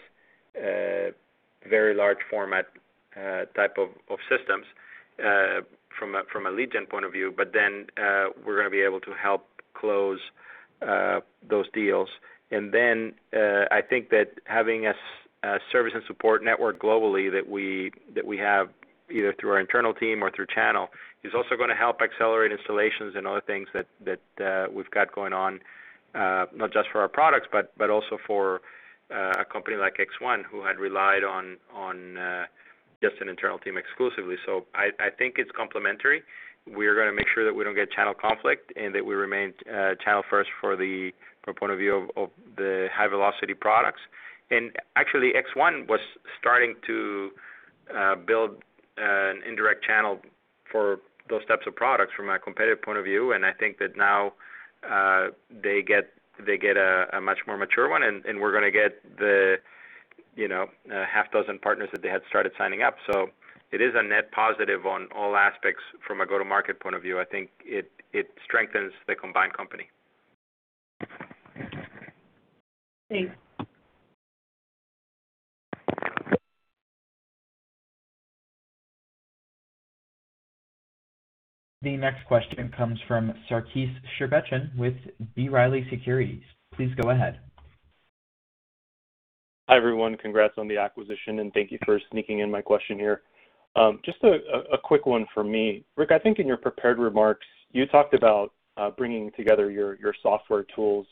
very large format type of systems from a lead gen point of view. We're going to be able to help close those deals. I think that having a service and support network globally that we have, either through our internal team or through channel, is also going to help accelerate installations and other things that we've got going on, not just for our products, but also for a company like ExOne, who had relied on just an internal team exclusively. I think it's complementary. We're going to make sure that we don't get channel conflict and that we remain channel first from point of view of the high-velocity products. Actually, ExOne was starting to build an indirect channel for those types of products from a competitive point of view. I think that now they get a much more mature 1, and we're going to get the half dozen partners that they had started signing up. It is a net positive on all aspects from a go-to-market point of view. I think it strengthens the combined company. Thanks. The next question comes from Sarkis Sherbetchyan with B. Riley Securities. Please go ahead. Hi, everyone. Congrats on the acquisition. Thank you for sneaking in my question here. Just a quick one for me. Ric, I think in your prepared remarks, you talked about bringing together your software tools,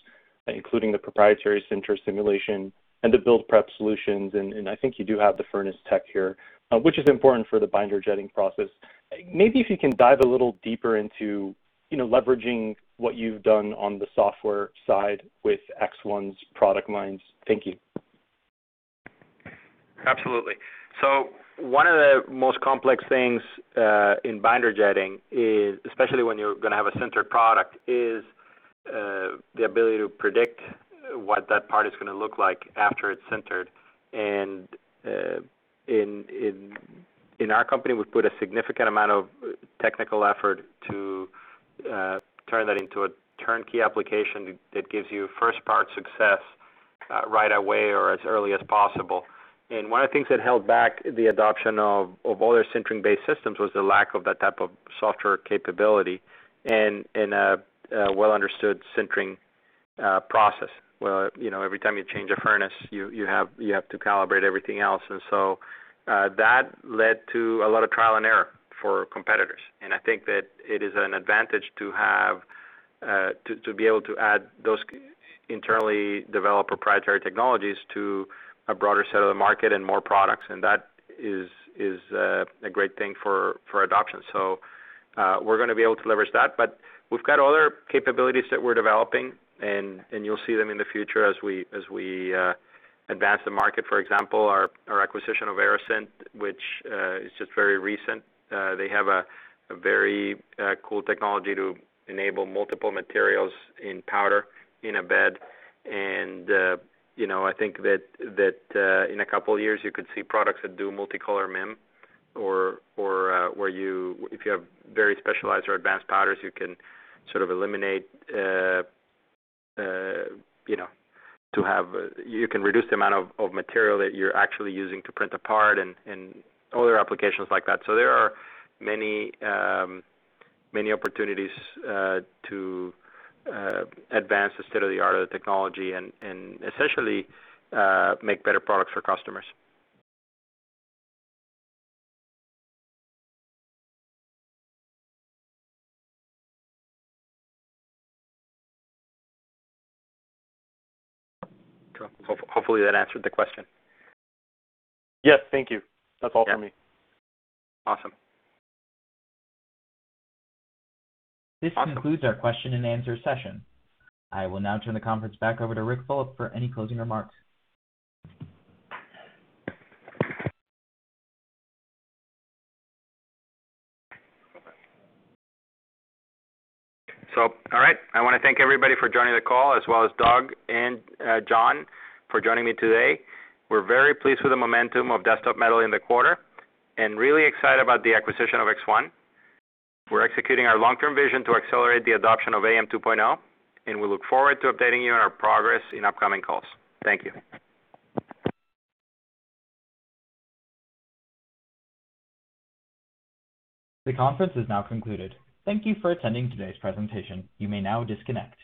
including the proprietary sinter simulation and the build prep solutions. I think you do have the furnace tech here, which is important for the binder jetting process. Maybe if you can dive a little deeper into leveraging what you've done on the software side with ExOne's product lines. Thank you. Absolutely. One of the most complex things in binder jetting is, especially when you're going to have a sintered product, is the ability to predict what that part is going to look like after it's sintered. In our company, we've put a significant amount of technical effort to turn that into a turnkey application that gives you first-part success right away or as early as possible. One of the things that held back the adoption of other sintering-based systems was the lack of that type of software capability and a well-understood sintering process, where every time you change a furnace, you have to calibrate everything else. That led to a lot of trial and error for competitors. I think that it is an advantage to be able to add those internally developed proprietary technologies to a broader set of the market and more products, and that is a great thing for adoption. We're going to be able to leverage that, but we've got other capabilities that we're developing, and you'll see them in the future as we advance the market. For example, our acquisition of Aerosint, which is just very recent. They have a very cool technology to enable multiple materials in powder in a bed. I think that in two years, you could see products that do multicolor MIM or where you, if you have very specialized or advanced powders, you can reduce the amount of material that you're actually using to print a part and other applications like that. There are many opportunities to advance the state-of-the-art of the technology and essentially make better products for customers. Hopefully that answered the question. Yes. Thank you. That's all for me. Awesome. This concludes our question and answer session. I will now turn the conference back over to Ric Fulop for any closing remarks. All right. I want to thank everybody for joining the call, as well as Doug and John for joining me today. We're very pleased with the momentum of Desktop Metal in the quarter and really excited about the acquisition of ExOne. We're executing our long-term vision to accelerate the adoption of AM 2.0, and we look forward to updating you on our progress in upcoming calls. Thank you. The conference is now concluded. Thank you for attending today's presentation. You may now disconnect.